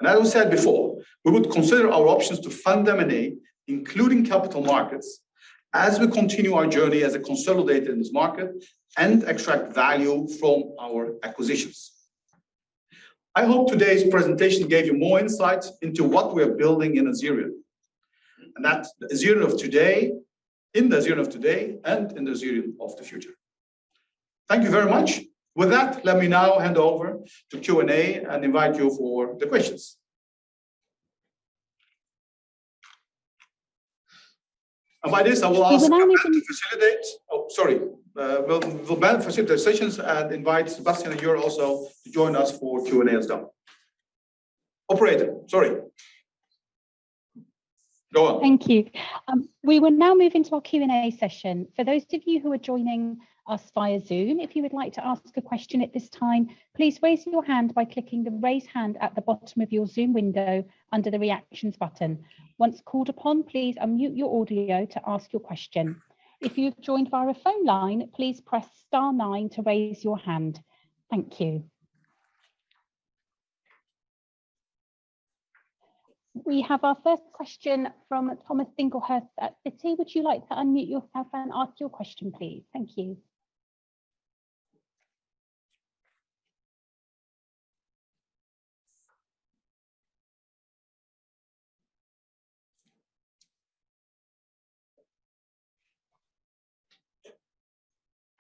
As we said before, we would consider our options to fund M&A, including capital markets, as we continue our journey as a consolidator in this market and extract value from our acquisitions. I hope today's presentation gave you more insight into what we are building in Azerion. That's the Azerion of today and in the Azerion of the future. Thank you very much. With that, let me now hand over to Q&A and invite you for the questions. We will now move into- Ben to facilitate. Oh, sorry. We'll Ben facilitate sessions and invite Sebastiaan and Jurriaan also to join us for Q&A as well. Operator, sorry. Go on. Thank you. We will now move into our Q&A session. For those of you who are joining us via Zoom, if you would like to ask a question at this time, please raise your hand by clicking the Raise Hand at the bottom of your Zoom window under the Reactions button. Once called upon, please unmute your audio to ask your question. If you've joined via a phone line, please press star nine to raise your hand. Thank you. We have our first question from Tom Singlehurst at Citi. Would you like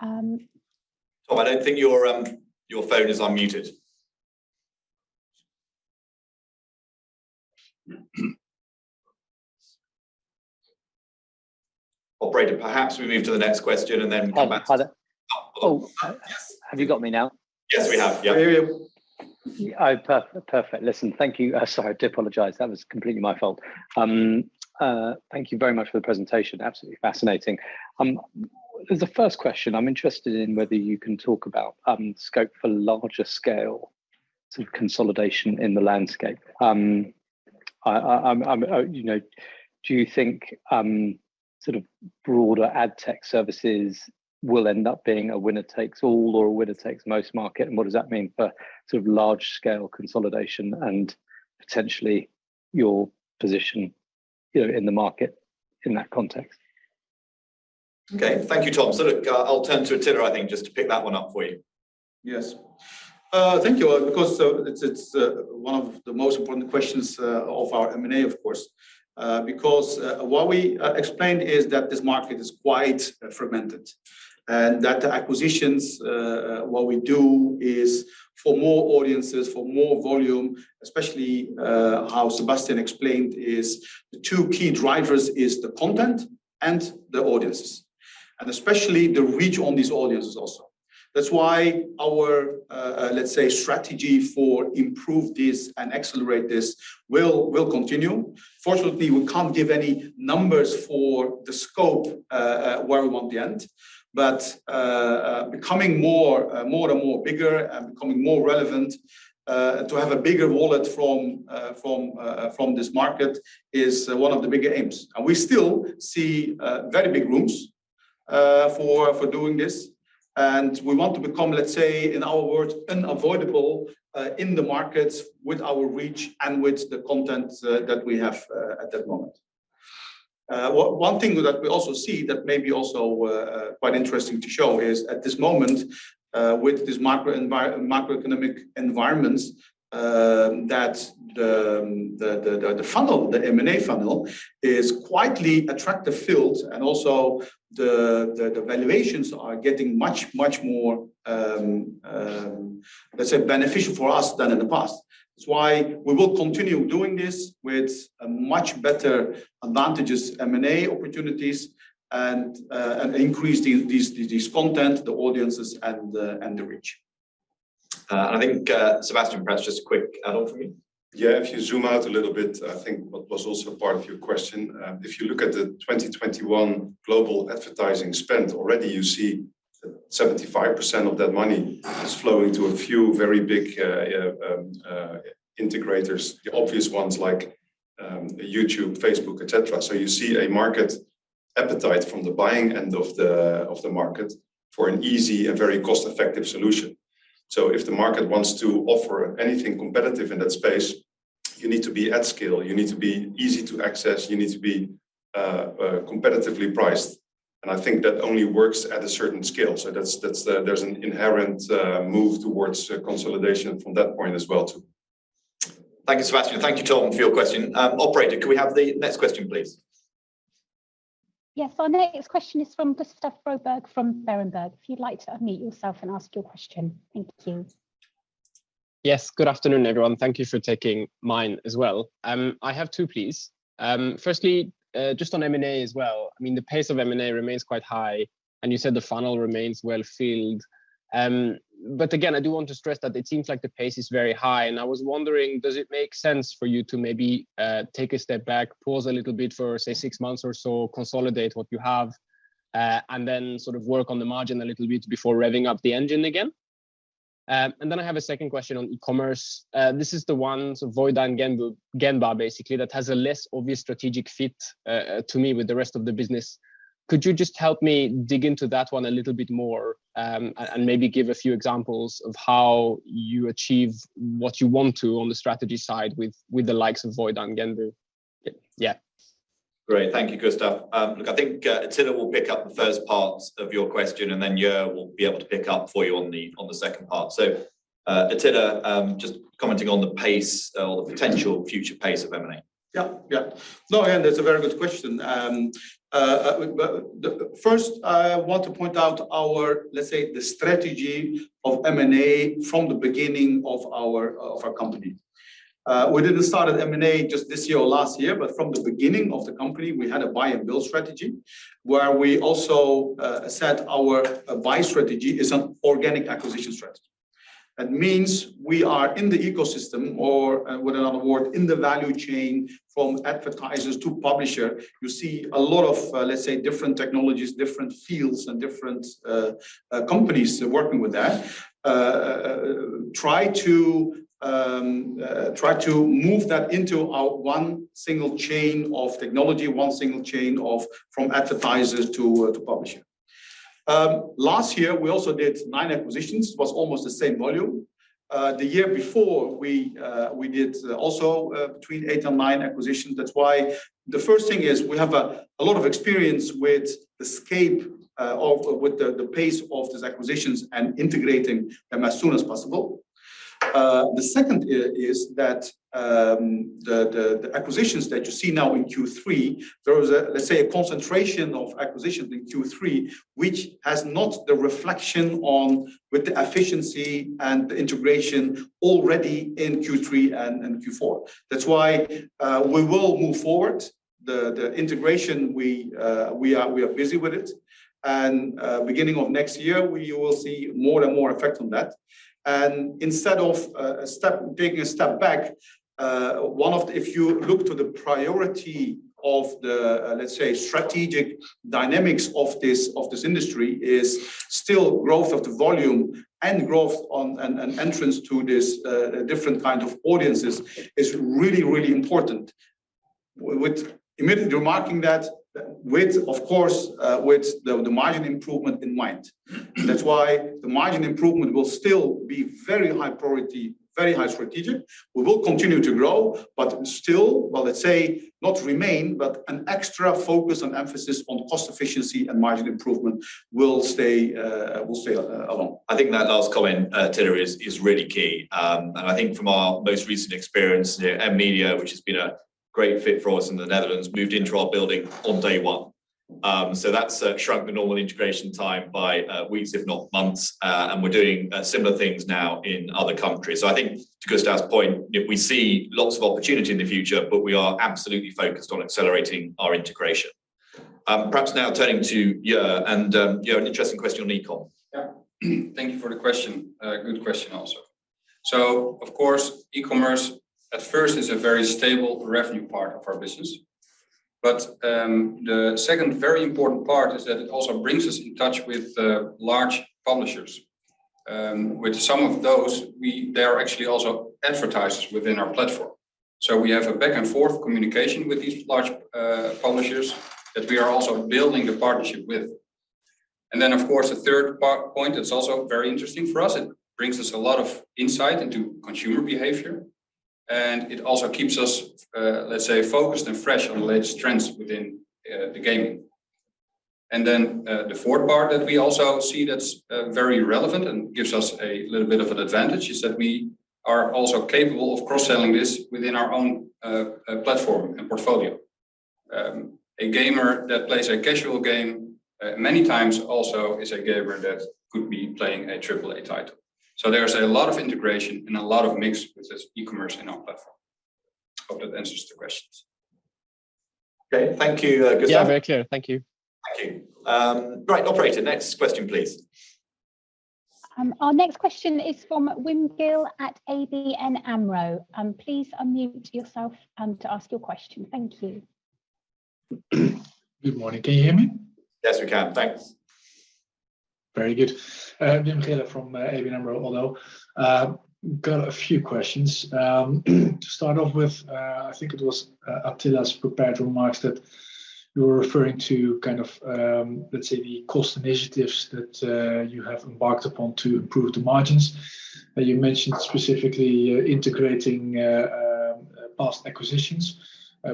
to unmute yourself and ask your question, please? Thank you. Tom, I don't think your phone is unmuted. Operator, perhaps we move to the next question and then come back to Tom. Oh, hi there. Oh. Oh, yes. Have you got me now? Yes, we have. Yep. I hear you. Perfect. Listen, thank you. Sorry, I do apologize. That was completely my fault. Thank you very much for the presentation. Absolutely fascinating. As a first question, I'm interested in whether you can talk about scope for larger scale sort of consolidation in the landscape. I'm, you know, do you think sort of broader ad tech services will end up being a winner-takes-all or a winner-takes-most market? What does that mean for sort of large scale consolidation and potentially your position, you know, in the market in that context? Okay. Thank you, Tom. Look, I'll turn to Atilla, I think, just to pick that one up for you. Yes. Thank you. Of course, it's one of the most important questions of our M&A, of course. Because what we explained is that this market is quite fragmented, and that acquisitions what we do is for more audiences, for more volume, especially how Sebastiaan explained, is the two key drivers is the content and the audiences, and especially the reach on these audiences also. That's why our, let's say, strategy for improve this and accelerate this will continue. Fortunately, we can't give any numbers for the scope where we want the end. Becoming more and more bigger and becoming more relevant to have a bigger wallet from this market is one of the bigger aims. We still see very big rooms for doing this. We want to become, let's say, in our words, unavoidable in the markets with our reach and with the content that we have at that moment. One thing that we also see that may be also quite interesting to show is at this moment, with this macroeconomic environments, that the funnel, the M&A funnel is quietly attractive filled, and also the valuations are getting much more, let's say beneficial for us than in the past. That's why we will continue doing this with a much better advantages M&A opportunities and increase these content, the audiences and the reach. I think, Sebastiaan perhaps just a quick add on for me. Yeah, if you zoom out a little bit, I think what was also part of your question, if you look at the 2021 global advertising spend, already you see 75% of that money is flowing to a few very big integrators. The obvious ones like YouTube, Facebook, et cetera. You see a market appetite from the buying end of the market for an easy and very cost-effective solution. If the market wants to offer anything competitive in that space, you need to be at scale, you need to be easy to access, you need to be competitively priced. I think that only works at a certain scale. That's the there's an inherent move towards consolidation from that point as well too. Thank you, Sebastiaan. Thank you, Tom, for your question. operator, can we have the next question, please? Yes, our next question is from Gustaf Broberg from Berenberg. If you'd like to unmute yourself and ask your question. Thank you. Yes, good afternoon, everyone. Thank you for taking mine as well. I have two, please. Firstly, just on M&A as well, I mean, the pace of M&A remains quite high, and you said the funnel remains well-filled. Again, I do want to stress that it seems like the pace is very high, and I was wondering, does it make sense for you to maybe take a step back, pause a little bit for, say, six months or so, consolidate what you have, and then sort of work on the margin a little bit before revving up the engine again? I have a second question on e-commerce. This is the one, so Voidu and Genba basically, that has a less obvious strategic fit to me with the rest of the business. Could you just help me dig into that one a little bit more, and maybe give a few examples of how you achieve what you want to on the strategy side with the likes of Voidu and Genba? Yeah. Great. Thank you, Gustaf. look, I think, Atilla will pick up the first part of your question, and then Jurriaan will be able to pick up for you on the, on the second part. Atilla, just commenting on the pace, or the potential future pace of M&A. Yeah. Yeah. That's a very good question. First, I want to point out our, let's say, the strategy of M&A from the beginning of our, of our company. We didn't start at M&A just this year or last year, but from the beginning of the company, we had a buy and build strategy, where we also set our buy strategy is an organic acquisition strategy. That means we are in the ecosystem or, with another word, in the value chain from advertisers to publisher. You see a lot of, let's say, different technologies, different fields and different companies working with that. Try to move that into a one single chain of technology, one single chain of from advertisers to publisher. Last year, we also did nine acquisitions, was almost the same volume. The year before we did also between eight and nine acquisitions. The first thing is we have a lot of experience with the scale, with the pace of these acquisitions and integrating them as soon as possible. The second is that the acquisitions that you see now in Q3, there was let's say a concentration of acquisitions in Q3, which has not the reflection on with the efficiency and the integration already in Q3 and Q4. We will move forward. The integration, we are busy with it. Beginning of next year, we will see more and more effect on that. Instead of taking a step back, if you look to the priority of the, let's say, strategic dynamics of this industry is still growth of the volume and growth on an entrance to this different kind of audiences is really important. With immediately remarketing that with, of course, with the margin improvement in mind. That's why the margin improvement will still be very high priority, very high strategic. We will continue to grow, but still, well, let's say not remain, but an extra focus and emphasis on cost efficiency and margin improvement will stay along. I think that last comment, Atilla, is really key. I think from our most recent experience, MMedia, which has been a great fit for us in the Netherlands, moved into our building on day one. That's shrunk the normal integration time by weeks if not months. We're doing similar things now in other countries. I think to Gustaf's point, we see lots of opportunity in the future, but we are absolutely focused on accelerating our integration. Perhaps now turning to Jurriaan, an interesting question on eCom. Thank you for the question. Good question also. Of course, e-commerce at first is a very stable revenue part of our business. The second very important part is that it also brings us in touch with large publishers. With some of those, they are actually also advertisers within our platform. We have a back and forth communication with these large publishers that we are also building a partnership with Of course, the third part point that's also very interesting for us, it brings us a lot of insight into consumer behavior. It keeps us, let's say focused and fresh on the latest trends within the gaming. The fourth part that we also see that's very relevant and gives us a little bit of an advantage is that we are also capable of cross-selling this within our own platform and portfolio. A gamer that plays a casual game, many times also is a gamer that could be playing a AAA title. There's a lot of integration and a lot of mix with this e-commerce in our platform. Hope that answers the questions. Okay. Thank you, Gustaf. Yeah, very clear. Thank you. Thank you. Operator, next question, please. Our next question is from Wim Gille at ABN AMRO. Please unmute yourself to ask your question. Thank you. Good morning. Can you hear me? Yes, we can. Thanks. Very good. Wim Gille from ABN AMRO. Got a few questions. To start off with, I think it was Atilla's prepared remarks that you were referring to kind of, let's say the cost initiatives that you have embarked upon to improve the margins. You mentioned specifically integrating past acquisitions.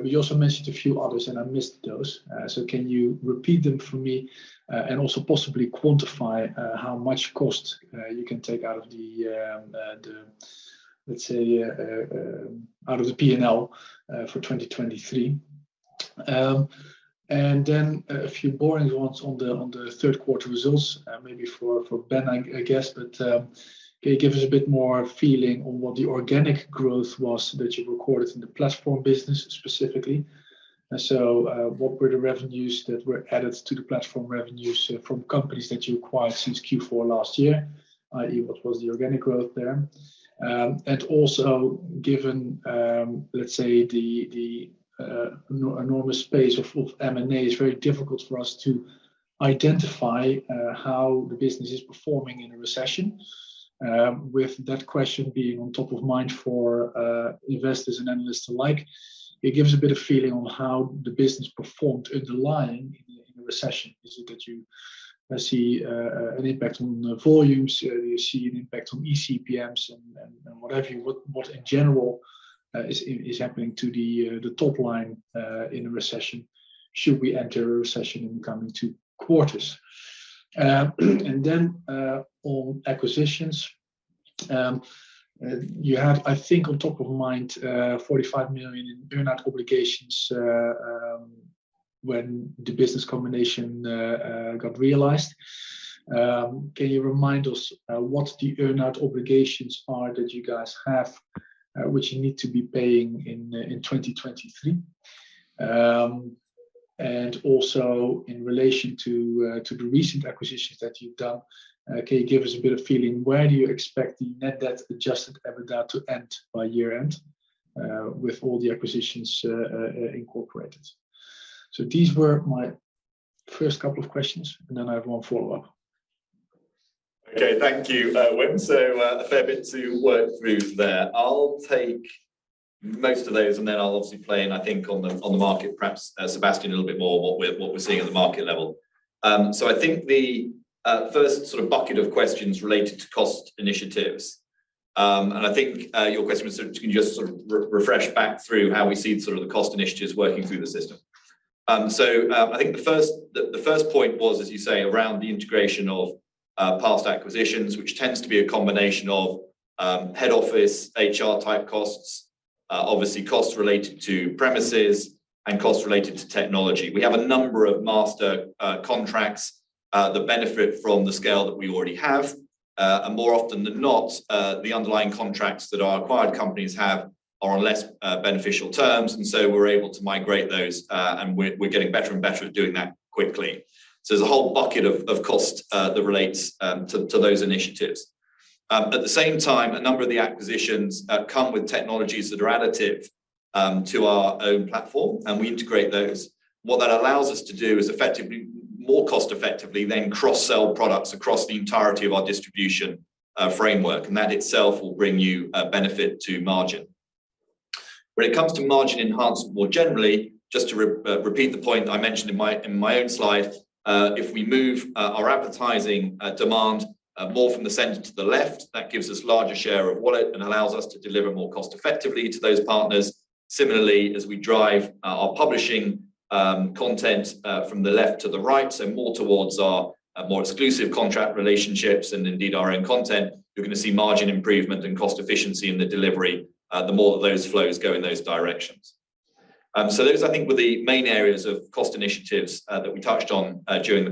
You also mentioned a few others, and I missed those. Can you repeat them for me and also possibly quantify how much cost you can take out of the, let's say, out of the P&L for 2023. A few boring ones on the Q3 results, maybe for Ben, I guess. Can you give us a bit more feeling on what the organic growth was that you recorded in the Platform business specifically? What were the revenues that were added to the Platform revenues from companies that you acquired since Q4 last year? What was the organic growth there? Also given, let's say the enormous space of M&A, it's very difficult for us to identify how the business is performing in a recession. With that question being on top of mind for investors and analysts alike, it gives a bit of feeling on how the business performed underlying in the recession. Is it that you see an impact on the volumes? Do you see an impact on eCPMs and what have you? What in general is happening to the top line in a recession, should we enter a recession in the coming two quarters? On acquisitions. You have, I think, on top of mind, 45 million in earn-out obligations when the business combination got realized. Can you remind us what the earn-out obligations are that you guys have, which you need to be paying in 2023? Also in relation to the recent acquisitions that you've done, can you give us a bit of feeling where do you expect the net debt / adjusted EBITDA to end by year-end, with all the acquisitions incorporated? These were my first couple of questions, I have one follow-up. Okay. Thank you, Wim. A fair bit to work through there. I'll take most of those, and then I'll obviously play in, I think, on the market perhaps, Sebastiaan, a little bit more what we're seeing at the market level. I think the first sort of bucket of questions related to cost initiatives, and I think your question was sort of can you just sort of re-refresh back through how we see sort of the cost initiatives working through the system. I think the first point was, as you say, around the integration of past acquisitions, which tends to be a combination of head office, HR type costs, obviously costs related to premises and costs related to technology. We have a number of master contracts that benefit from the scale that we already have. More often than not, the underlying contracts that our acquired companies have are on less beneficial terms, and we're able to migrate those. We're getting better and better at doing that quickly. There's a whole bucket of cost that relates to those initiatives. At the same time, a number of the acquisitions come with technologies that are additive to our own platform, and we integrate those. What that allows us to do is more cost effectively than cross-sell products across the entirety of our distribution framework, and that itself will bring you benefit to margin. When it comes to margin enhancement more generally, just to repeat the point I mentioned in my, in my own slide, if we move our advertising demand more from the center to the left, that gives us larger share of wallet and allows us to deliver more cost effectively to those partners. Similarly, as we drive our publishing content from the left to the right, so more towards our more exclusive contract relationships and indeed our own content, you're gonna see margin improvement and cost efficiency in the delivery, the more that those flows go in those directions. Those I think were the main areas of cost initiatives that we touched on during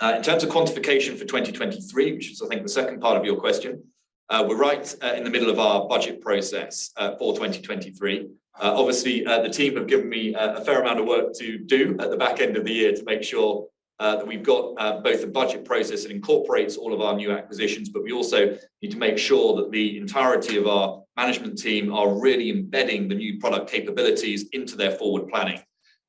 the presentation. In terms of quantification for 2023, which is I think the second part of your question, we're right in the middle of our budget process for 2023. Obviously, the team have given me a fair amount of work to do at the back end of the year to make sure that we've got both the budget process that incorporates all of our new acquisitions, but we also need to make sure that the entirety of our management team are really embedding the new product capabilities into their forward planning.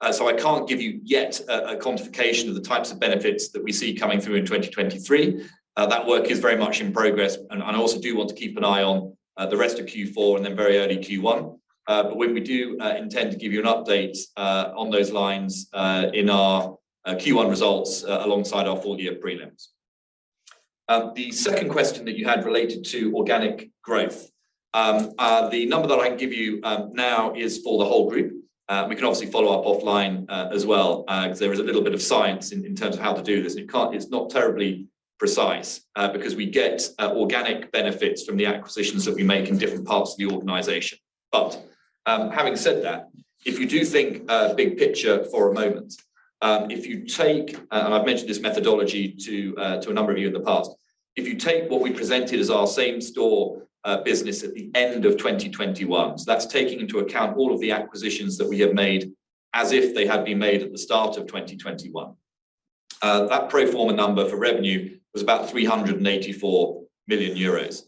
I can't give you yet a quantification of the types of benefits that we see coming through in 2023. That work is very much in progress. I also do want to keep an eye on the rest of Q4 and then very early Q1. But we do intend to give you an update on those lines in our Q1 results alongside our full year prelims. The second question that you had related to organic growth. The number that I can give you now is for the whole group. We can obviously follow-up offline as well, 'cause there is a little bit of science in terms of how to do this, and it's not terribly precise because we get organic benefits from the acquisitions that we make in different parts of the organization. Having said that, if you do think big picture for a moment, if you take, and I've mentioned this methodology to a number of you in the past. If you take what we presented as our same store business at the end of 2021, so that's taking into account all of the acquisitions that we have made as if they had been made at the start of 2021. That pro forma number for revenue was about 384 million euros.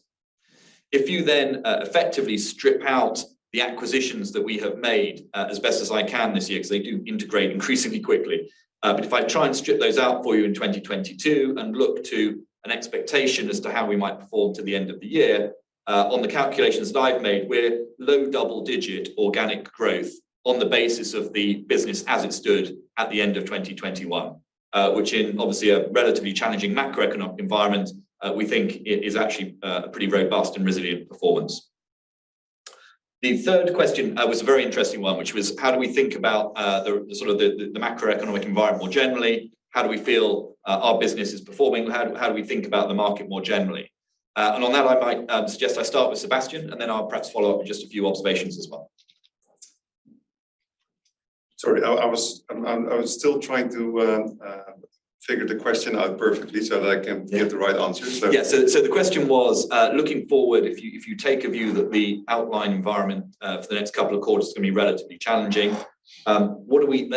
If you then effectively strip out the acquisitions that we have made as best as I can this year, 'cause they do integrate increasingly quickly. If I try and strip those out for you in 2022 and look to an expectation as to how we might perform to the end of the year, on the calculations that I've made, we're low double-digit organic growth on the basis of the business as it stood at the end of 2021. Which in obviously a relatively challenging macroeconomic environment, we think it is actually a pretty robust and resilient performance. The third question was a very interesting one, which was how do we think about the sort of the macroeconomic environment more generally? How do we feel our business is performing? How do we think about the market more generally? On that I might suggest I start with Sebastiaan, and then I'll perhaps follow up with just a few observations as well. Sorry, I was still trying to figure the question out perfectly so that I can give the right answer. The question was, looking forward, if you take a view that the outline environment, for the next couple of quarters is gonna be relatively challenging, what do we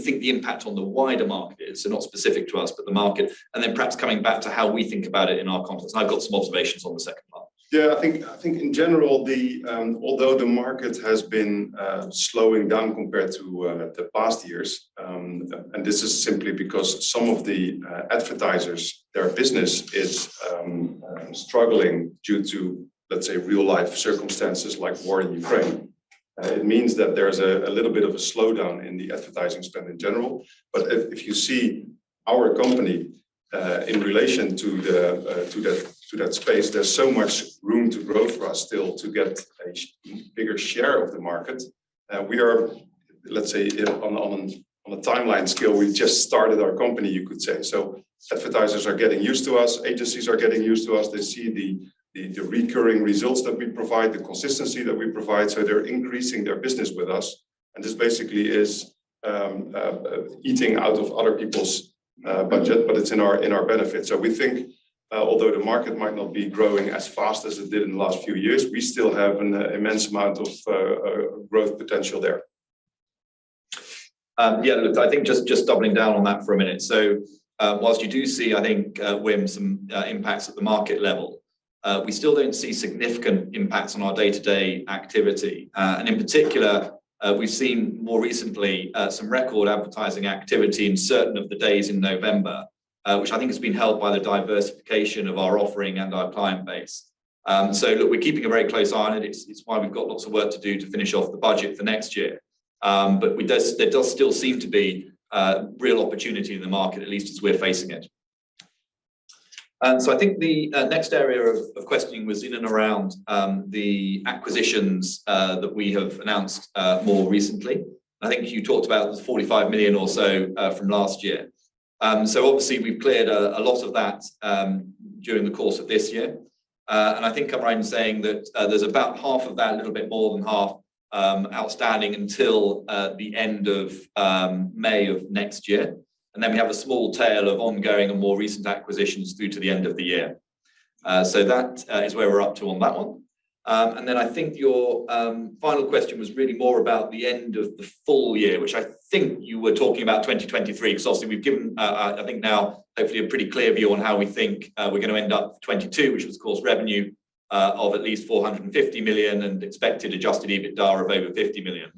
think the impact on the wider market is? Not specific to us, but the market, and then perhaps coming back to how we think about it in our context. I've got some observations on the second part. I think in general, the although the market has been slowing down compared to the past years, this is simply because some of the advertisers, their business is struggling due to, let's say, real-life circumstances like war in Ukraine. It means that there's a little bit of a slowdown in the advertising spend in general. If you see our company in relation to that space, there's so much room to grow for us still to get a bigger share of the market. We are, let's say, on a timeline scale, we've just started our company, you could say. Advertisers are getting used to us, agencies are getting used to us. They see the recurring results that we provide, the consistency that we provide, so they're increasing their business with us. This basically is eating out of other people's budget, but it's in our benefit. We think, although the market might not be growing as fast as it did in the last few years, we still have an immense amount of growth potential there. I think just doubling down on that for a minute. Whilst you do see, I think, Wim, some impacts at the market level, we still don't see significant impacts on our day-to-day activity. And in particular, we've seen more recently some record advertising activity in certain of the days in November, which I think has been helped by the diversification of our offering and our client base. We're keeping a very close eye on it. It's why we've got lots of work to do to finish off the budget for next year. There does still seem to be real opportunity in the market, at least as we're facing it. I think the next area of questioning was in and around the acquisitions that we have announced more recently. I think you talked about the 45 million or so from last year. Obviously we've cleared a lot of that during the course of this year. I think I'm right in saying that there's about half of that, a little bit more than half, outstanding until the end of May of next year. Then we have a small tail of ongoing and more recent acquisitions through to the end of the year. That is where we're up to on that one. I think your final question was really more about the end of the full year, which I think you were talking about 2023, 'cause obviously we've given, I think now hopefully a pretty clear view on how we think we're gonna end up 2022, which was of course revenue of at least 450 million and expected adjusted EBITDA of over 50 million.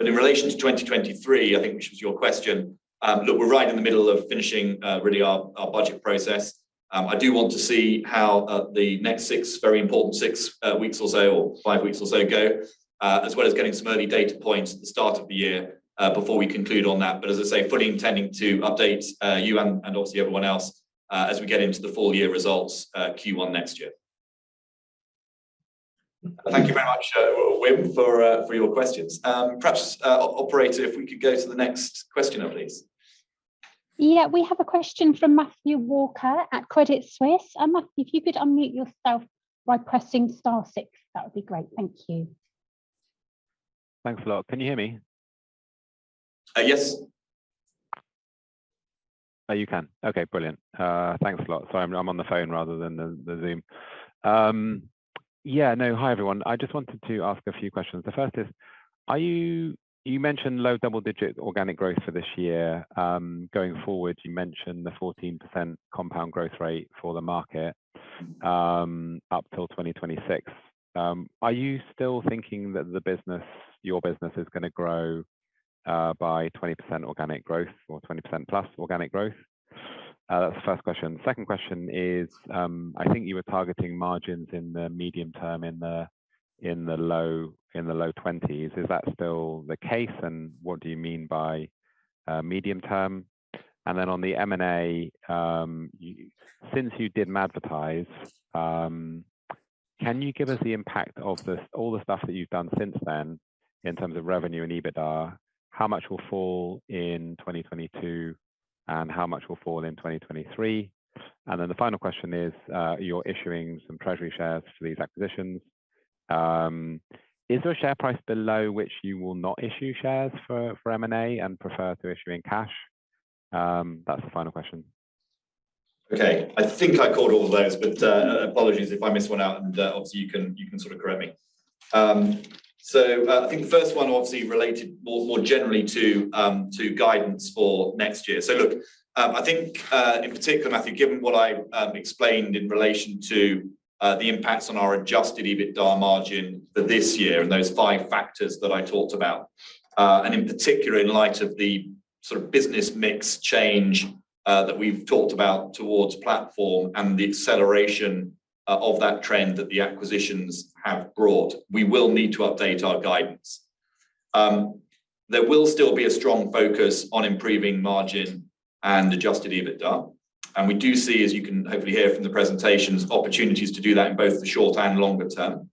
In relation to 2023, I think which was your question, look, we're right in the middle of finishing really our budget process. I do want to see how the next six, very important six, weeks or so, or five weeks or so go, as well as getting some early data points at the start of the year before we conclude on that. As I say, fully intending to update you and obviously everyone else as we get into the full year results, Q1 next year. Thank you very much, Wim, for your questions. Perhaps, operator, if we could go to the next question, please. Yeah. We have a question from Matthew Walker at Credit Suisse. Matthew, if you could unmute yourself by pressing star six, that would be great. Thank you. Thanks a lot. Can you hear me? Yes. Oh, you can. Okay, brilliant. Thanks a lot. Sorry, I'm on the phone rather than the Zoom. Yeah, no. Hi, everyone. I just wanted to ask a few questions. The first is, you mentioned low double-digit organic growth for this year. Going forward, you mentioned the 14% compound growth rate for the market up till 2026. Are you still thinking that the business, your business is gonna grow by 20% organic growth or 20% plus organic growth? That's the first question. Second question is, I think you were targeting margins in the medium term in the low 20s. Is that still the case? What do you mean by medium term? On the M&A, since you didn't advertise, can you give us the impact of all the stuff that you've done since then in terms of revenue and EBITDA? How much will fall in 2022, and how much will fall in 2023? The final question is, you're issuing some treasury shares for these acquisitions. Is there a share price below which you will not issue shares for M&A and prefer to issue in cash? That's the final question. Okay. I think I caught all those, but apologies if I missed one out and obviously you can, you can sort of correct me. I think the first one obviously related more, more generally to guidance for next year. Look, I think in particular, Matthew, given what I explained in relation to the impacts on our adjusted EBITDA margin for this year and those five factors that I talked about, and in particular in light of the sort of business mix change that we've talked about towards Platform and the acceleration of that trend that the acquisitions have brought, we will need to update our guidance. There will still be a strong focus on improving margin and adjusted EBITDA, and we do see, as you can hopefully hear from the presentations, opportunities to do that in both the short and longer term.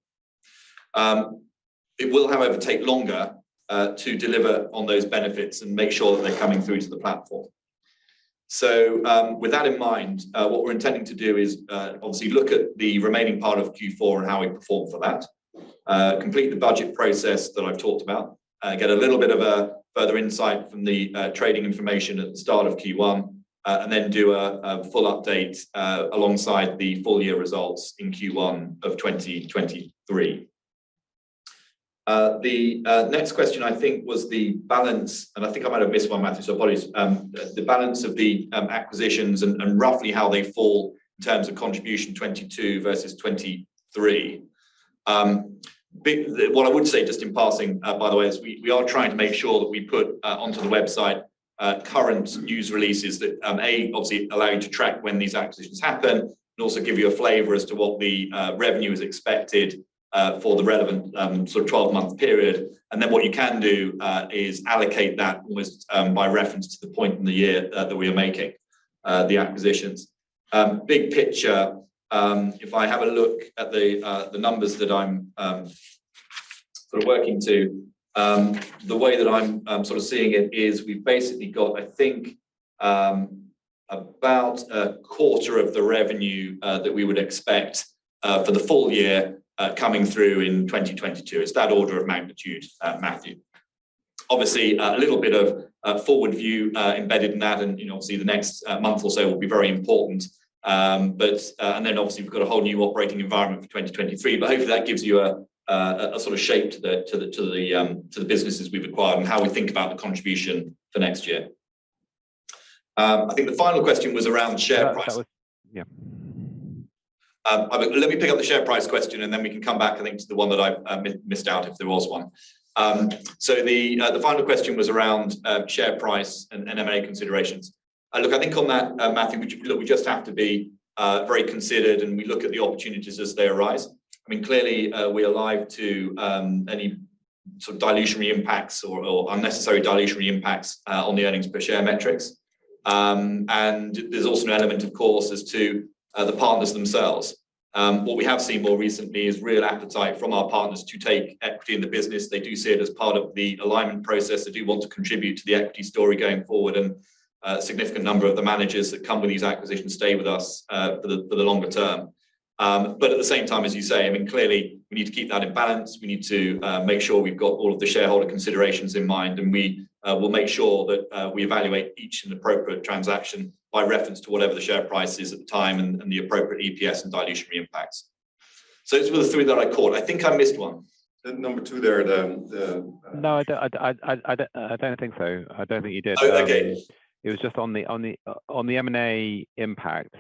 It will, however, take longer to deliver on those benefits and make sure that they're coming through to the Platform. With that in mind, what we're intending to do is obviously look at the remaining part of Q4 and how we perform for that, complete the budget process that I've talked about, get a little bit of a further insight from the trading information at the start of Q1, and then do a full update alongside the full year results in Q1 of 2023. The next question I think was the balance. I think I might have missed one, Matthew, so apologies. The balance of the acquisitions and roughly how they fall in terms of contribution 2022 versus 2023. What I would say just in passing, by the way, is we are trying to make sure that we put onto the website current news releases that A, obviously allow you to track when these acquisitions happen, and also give you a flavor as to what the revenue is expected for the relevant sort of 12-month period. What you can do is allocate that almost by reference to the point in the year that we are making the acquisitions. Big picture, if I have a look at the numbers that I'm sort of working to, the way that I'm sort of seeing it is we've basically got, I think, about a quarter of the revenue that we would expect for the full year coming through in 2022. It's that order of magnitude, Matthew. Obviously, a little bit of forward view embedded in that and, you know, obviously the next month or so will be very important. Obviously we've got a whole new operating environment for 2023. Hopefully that gives you a, a sort of shape to the, to the, to the, to the businesses we've acquired and how we think about the contribution for next year. I think the final question was around share price-. Yeah. I think Let me pick up the share price question and then we can come back I think to the one that I missed out, if there was one. The final question was around share price and M&A considerations. Look, I think on that, Matthew, we just have to be very considered, and we look at the opportunities as they arise. I mean clearly, we are live to any sort of dilutionary impacts or unnecessary dilutionary impacts on the earnings per share metrics. There's also an element, of course, as to the partners themselves. What we have seen more recently is real appetite from our partners to take equity in the business. They do see it as part of the alignment process. They do want to contribute to the equity story going forward. A significant number of the managers that come with these acquisitions stay with us for the longer term. At the same time, as you say, I mean, clearly we need to keep that in balance. We need to make sure we've got all of the shareholder considerations in mind. We will make sure that we evaluate each and appropriate transaction by reference to whatever the share price is at the time and the appropriate EPS and dilutionary impacts. Those were the three that I caught. I think I missed one. The number two there, No, I don't, I don't think so. I don't think you did. Oh, okay. It was just on the M&A impact.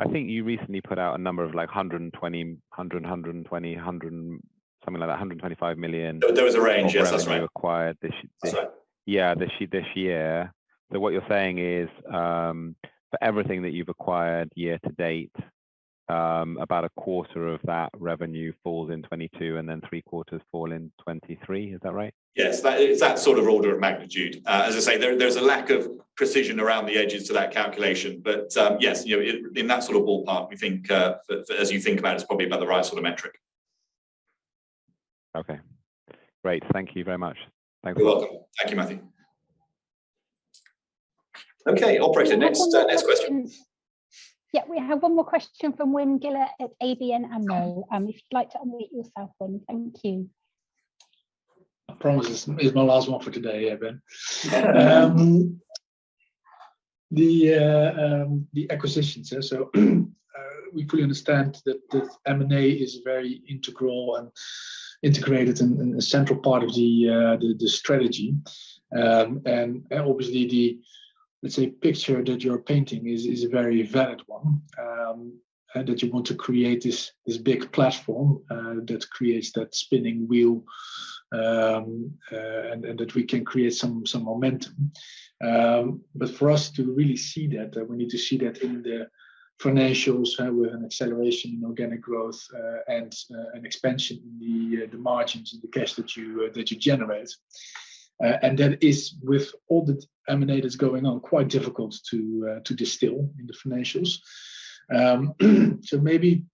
I think you recently put out a number of like 120, hundred and something like that, 125 million. There was a range, yes, that's right.... of revenue acquired this Is that- Yeah, this year. What you're saying is, for everything that you've acquired year-to-date, about a quarter of that revenue falls in 2022 and then three quarters fall in 2023. Is that right? Yes. It's that sort of order of magnitude. As I say, there's a lack of precision around the edges to that calculation, but, yes, you know, in that sort of ballpark, we think, as you think about it's probably about the right sort of metric. Okay. Great. Thank you very much. Thanks. You're welcome. Thank you, Matthew. Okay. Operator, next question. One more question. Yeah, we have one more question from Wim Gille at ABN AMRO. If you'd like to unmute yourself, Wim. Thank you. I promise this is my last one for today, yeah, Ben. The acquisitions, yeah, we fully understand that the M&A is very integral and integrated and a central part of the strategy. Obviously the, let's say, picture that you're painting is a very valid one, that you want to create this big platform, that creates that spinning wheel, and that we can create some momentum. For us to really see that, we need to see that in the financials, with an acceleration in organic growth, and an expansion in the margins and the cash that you generate. That is, with all the M&A that's going on, quite difficult to distill in the financials. Maybe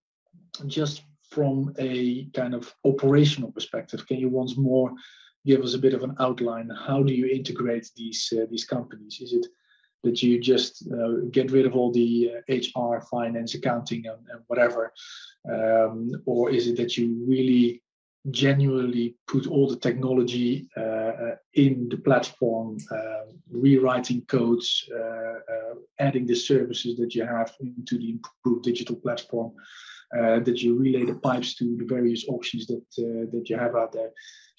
just from a kind of operational perspective, can you once more give us a bit of an outline? How do you integrate these companies? Is it that you just get rid of all the HR, finance, accounting and whatever? Is it that you really genuinely put all the technology in the platform, rewriting codes, adding the services that you have into the Improve Digital Platform, that you relay the pipes to the various auctions that you have out there?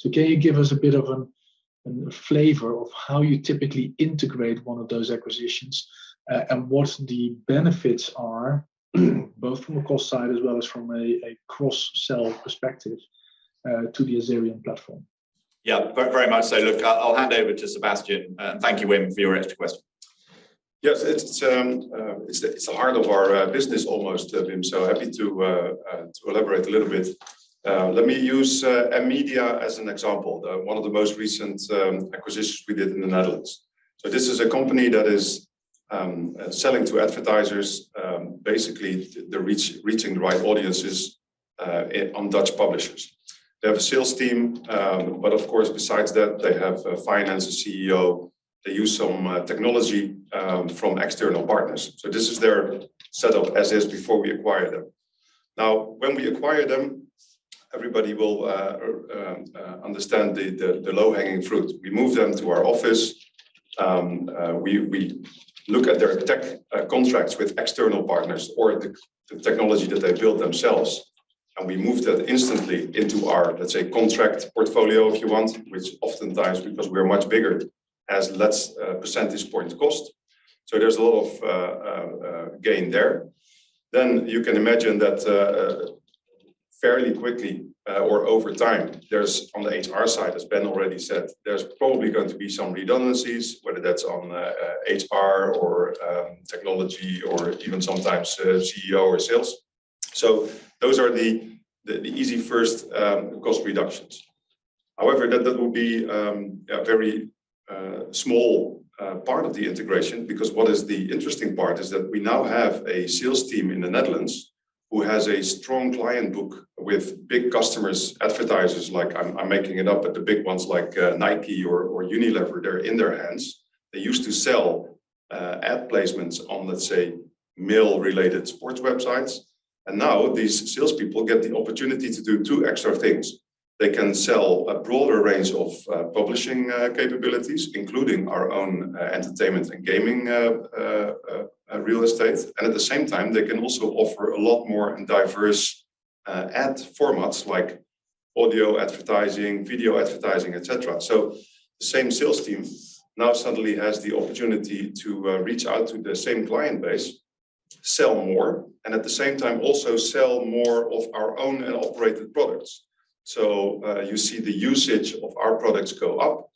Can you give us a bit of a flavor of how you typically integrate one of those acquisitions and what the benefits are, both from a cost side as well as from a cross-sell perspective to the Azerion Platform? Yeah, very much so. Look, I'll hand over to Sebastiaan. Thank you, Wim, for your extra question. Yes, it's the heart of our business almost, Wim, so happy to elaborate a little bit. Let me use MMedia as an example, one of the most recent acquisitions we did in the Netherlands. This is a company that is selling to advertisers, basically the reach, reaching the right audiences on Dutch publishers. They have a sales team, but of course, besides that, they have a finance CEO. They use some technology from external partners. This is their set of assets before we acquire them. Now, when we acquire them, everybody will understand the low-hanging fruit. We move them to our office. We look at their tech contracts with external partners or the technology that they built themselves, and we move that instantly into our, let's say, contract portfolio if you want, which oftentimes because we're much bigger, has less percentage point cost. There's a lot of gain there. You can imagine that fairly quickly or over time, there's, on the HR side, as Ben already said, there's probably going to be some redundancies, whether that's on HR or technology or even sometimes CEO or sales. Those are the easy first cost reductions. That will be a very small part of the integration because what is the interesting part is that we now have a sales team in the Netherlands who has a strong client book with big customers, advertisers like I'm making it up, but the big ones like Nike or Unilever. They're in their hands. They used to sell ad placements on, let's say, male-related sports websites, and now these salespeople get the opportunity to do two extra things. They can sell a broader range of publishing capabilities, including our own entertainment and gaming real estate. At the same time, they can also offer a lot more and diverse ad formats like audio advertising, video advertising, et cetera. The same sales team now suddenly has the opportunity to reach out to the same client base, sell more, and at the same time, also sell more of our own operated products. You see the usage of our products go up,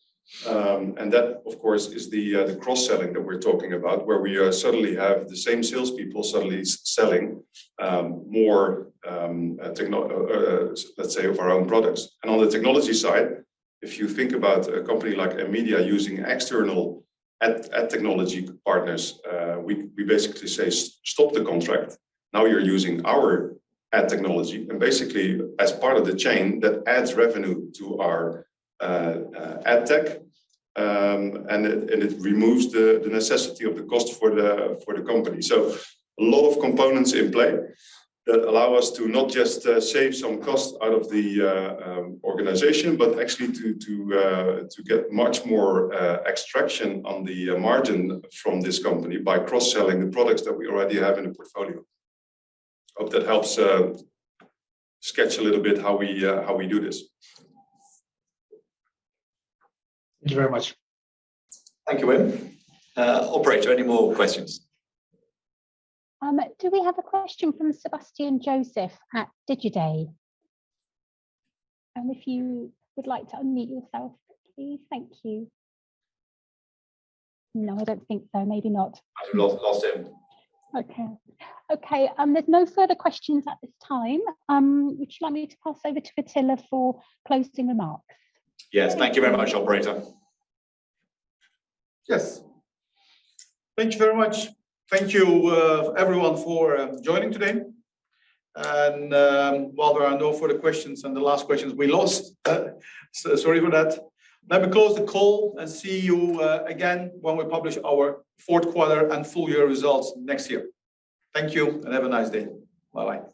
and that, of course, is the cross-selling that we're talking about, where we suddenly have the same salespeople suddenly selling more let's say of our own products. On the technology side, if you think about a company like MMedia using external ad technology partners, we basically say, "Stop the contract. Now you're using our ad technology." Basically, as part of the chain, that adds revenue to our ad tech, and it removes the necessity of the cost for the company. A lot of components in play that allow us to not just save some cost out of the organization, but actually to get much more extraction on the margin from this company by cross-selling the products that we already have in the portfolio. Hope that helps sketch a little bit how we do this. Thank you very much. Thank you, Wim. operator, any more questions? Do we have a question from Seb Joseph at Digiday? If you would like to unmute yourself, please. Thank you. No, I don't think so. Maybe not. I've lost him. Okay. Okay, there's no further questions at this time. Would you like me to pass over to Atilla for closing remarks? Yes. Thank you very much, operator. Yes. Thank you very much. Thank you, everyone for joining today. While there are no further questions, and the last questions we lost, sorry for that. Let me close the call and see you again when we publish our Q4 and full year results next year. Thank you, have a nice day. Bye-bye.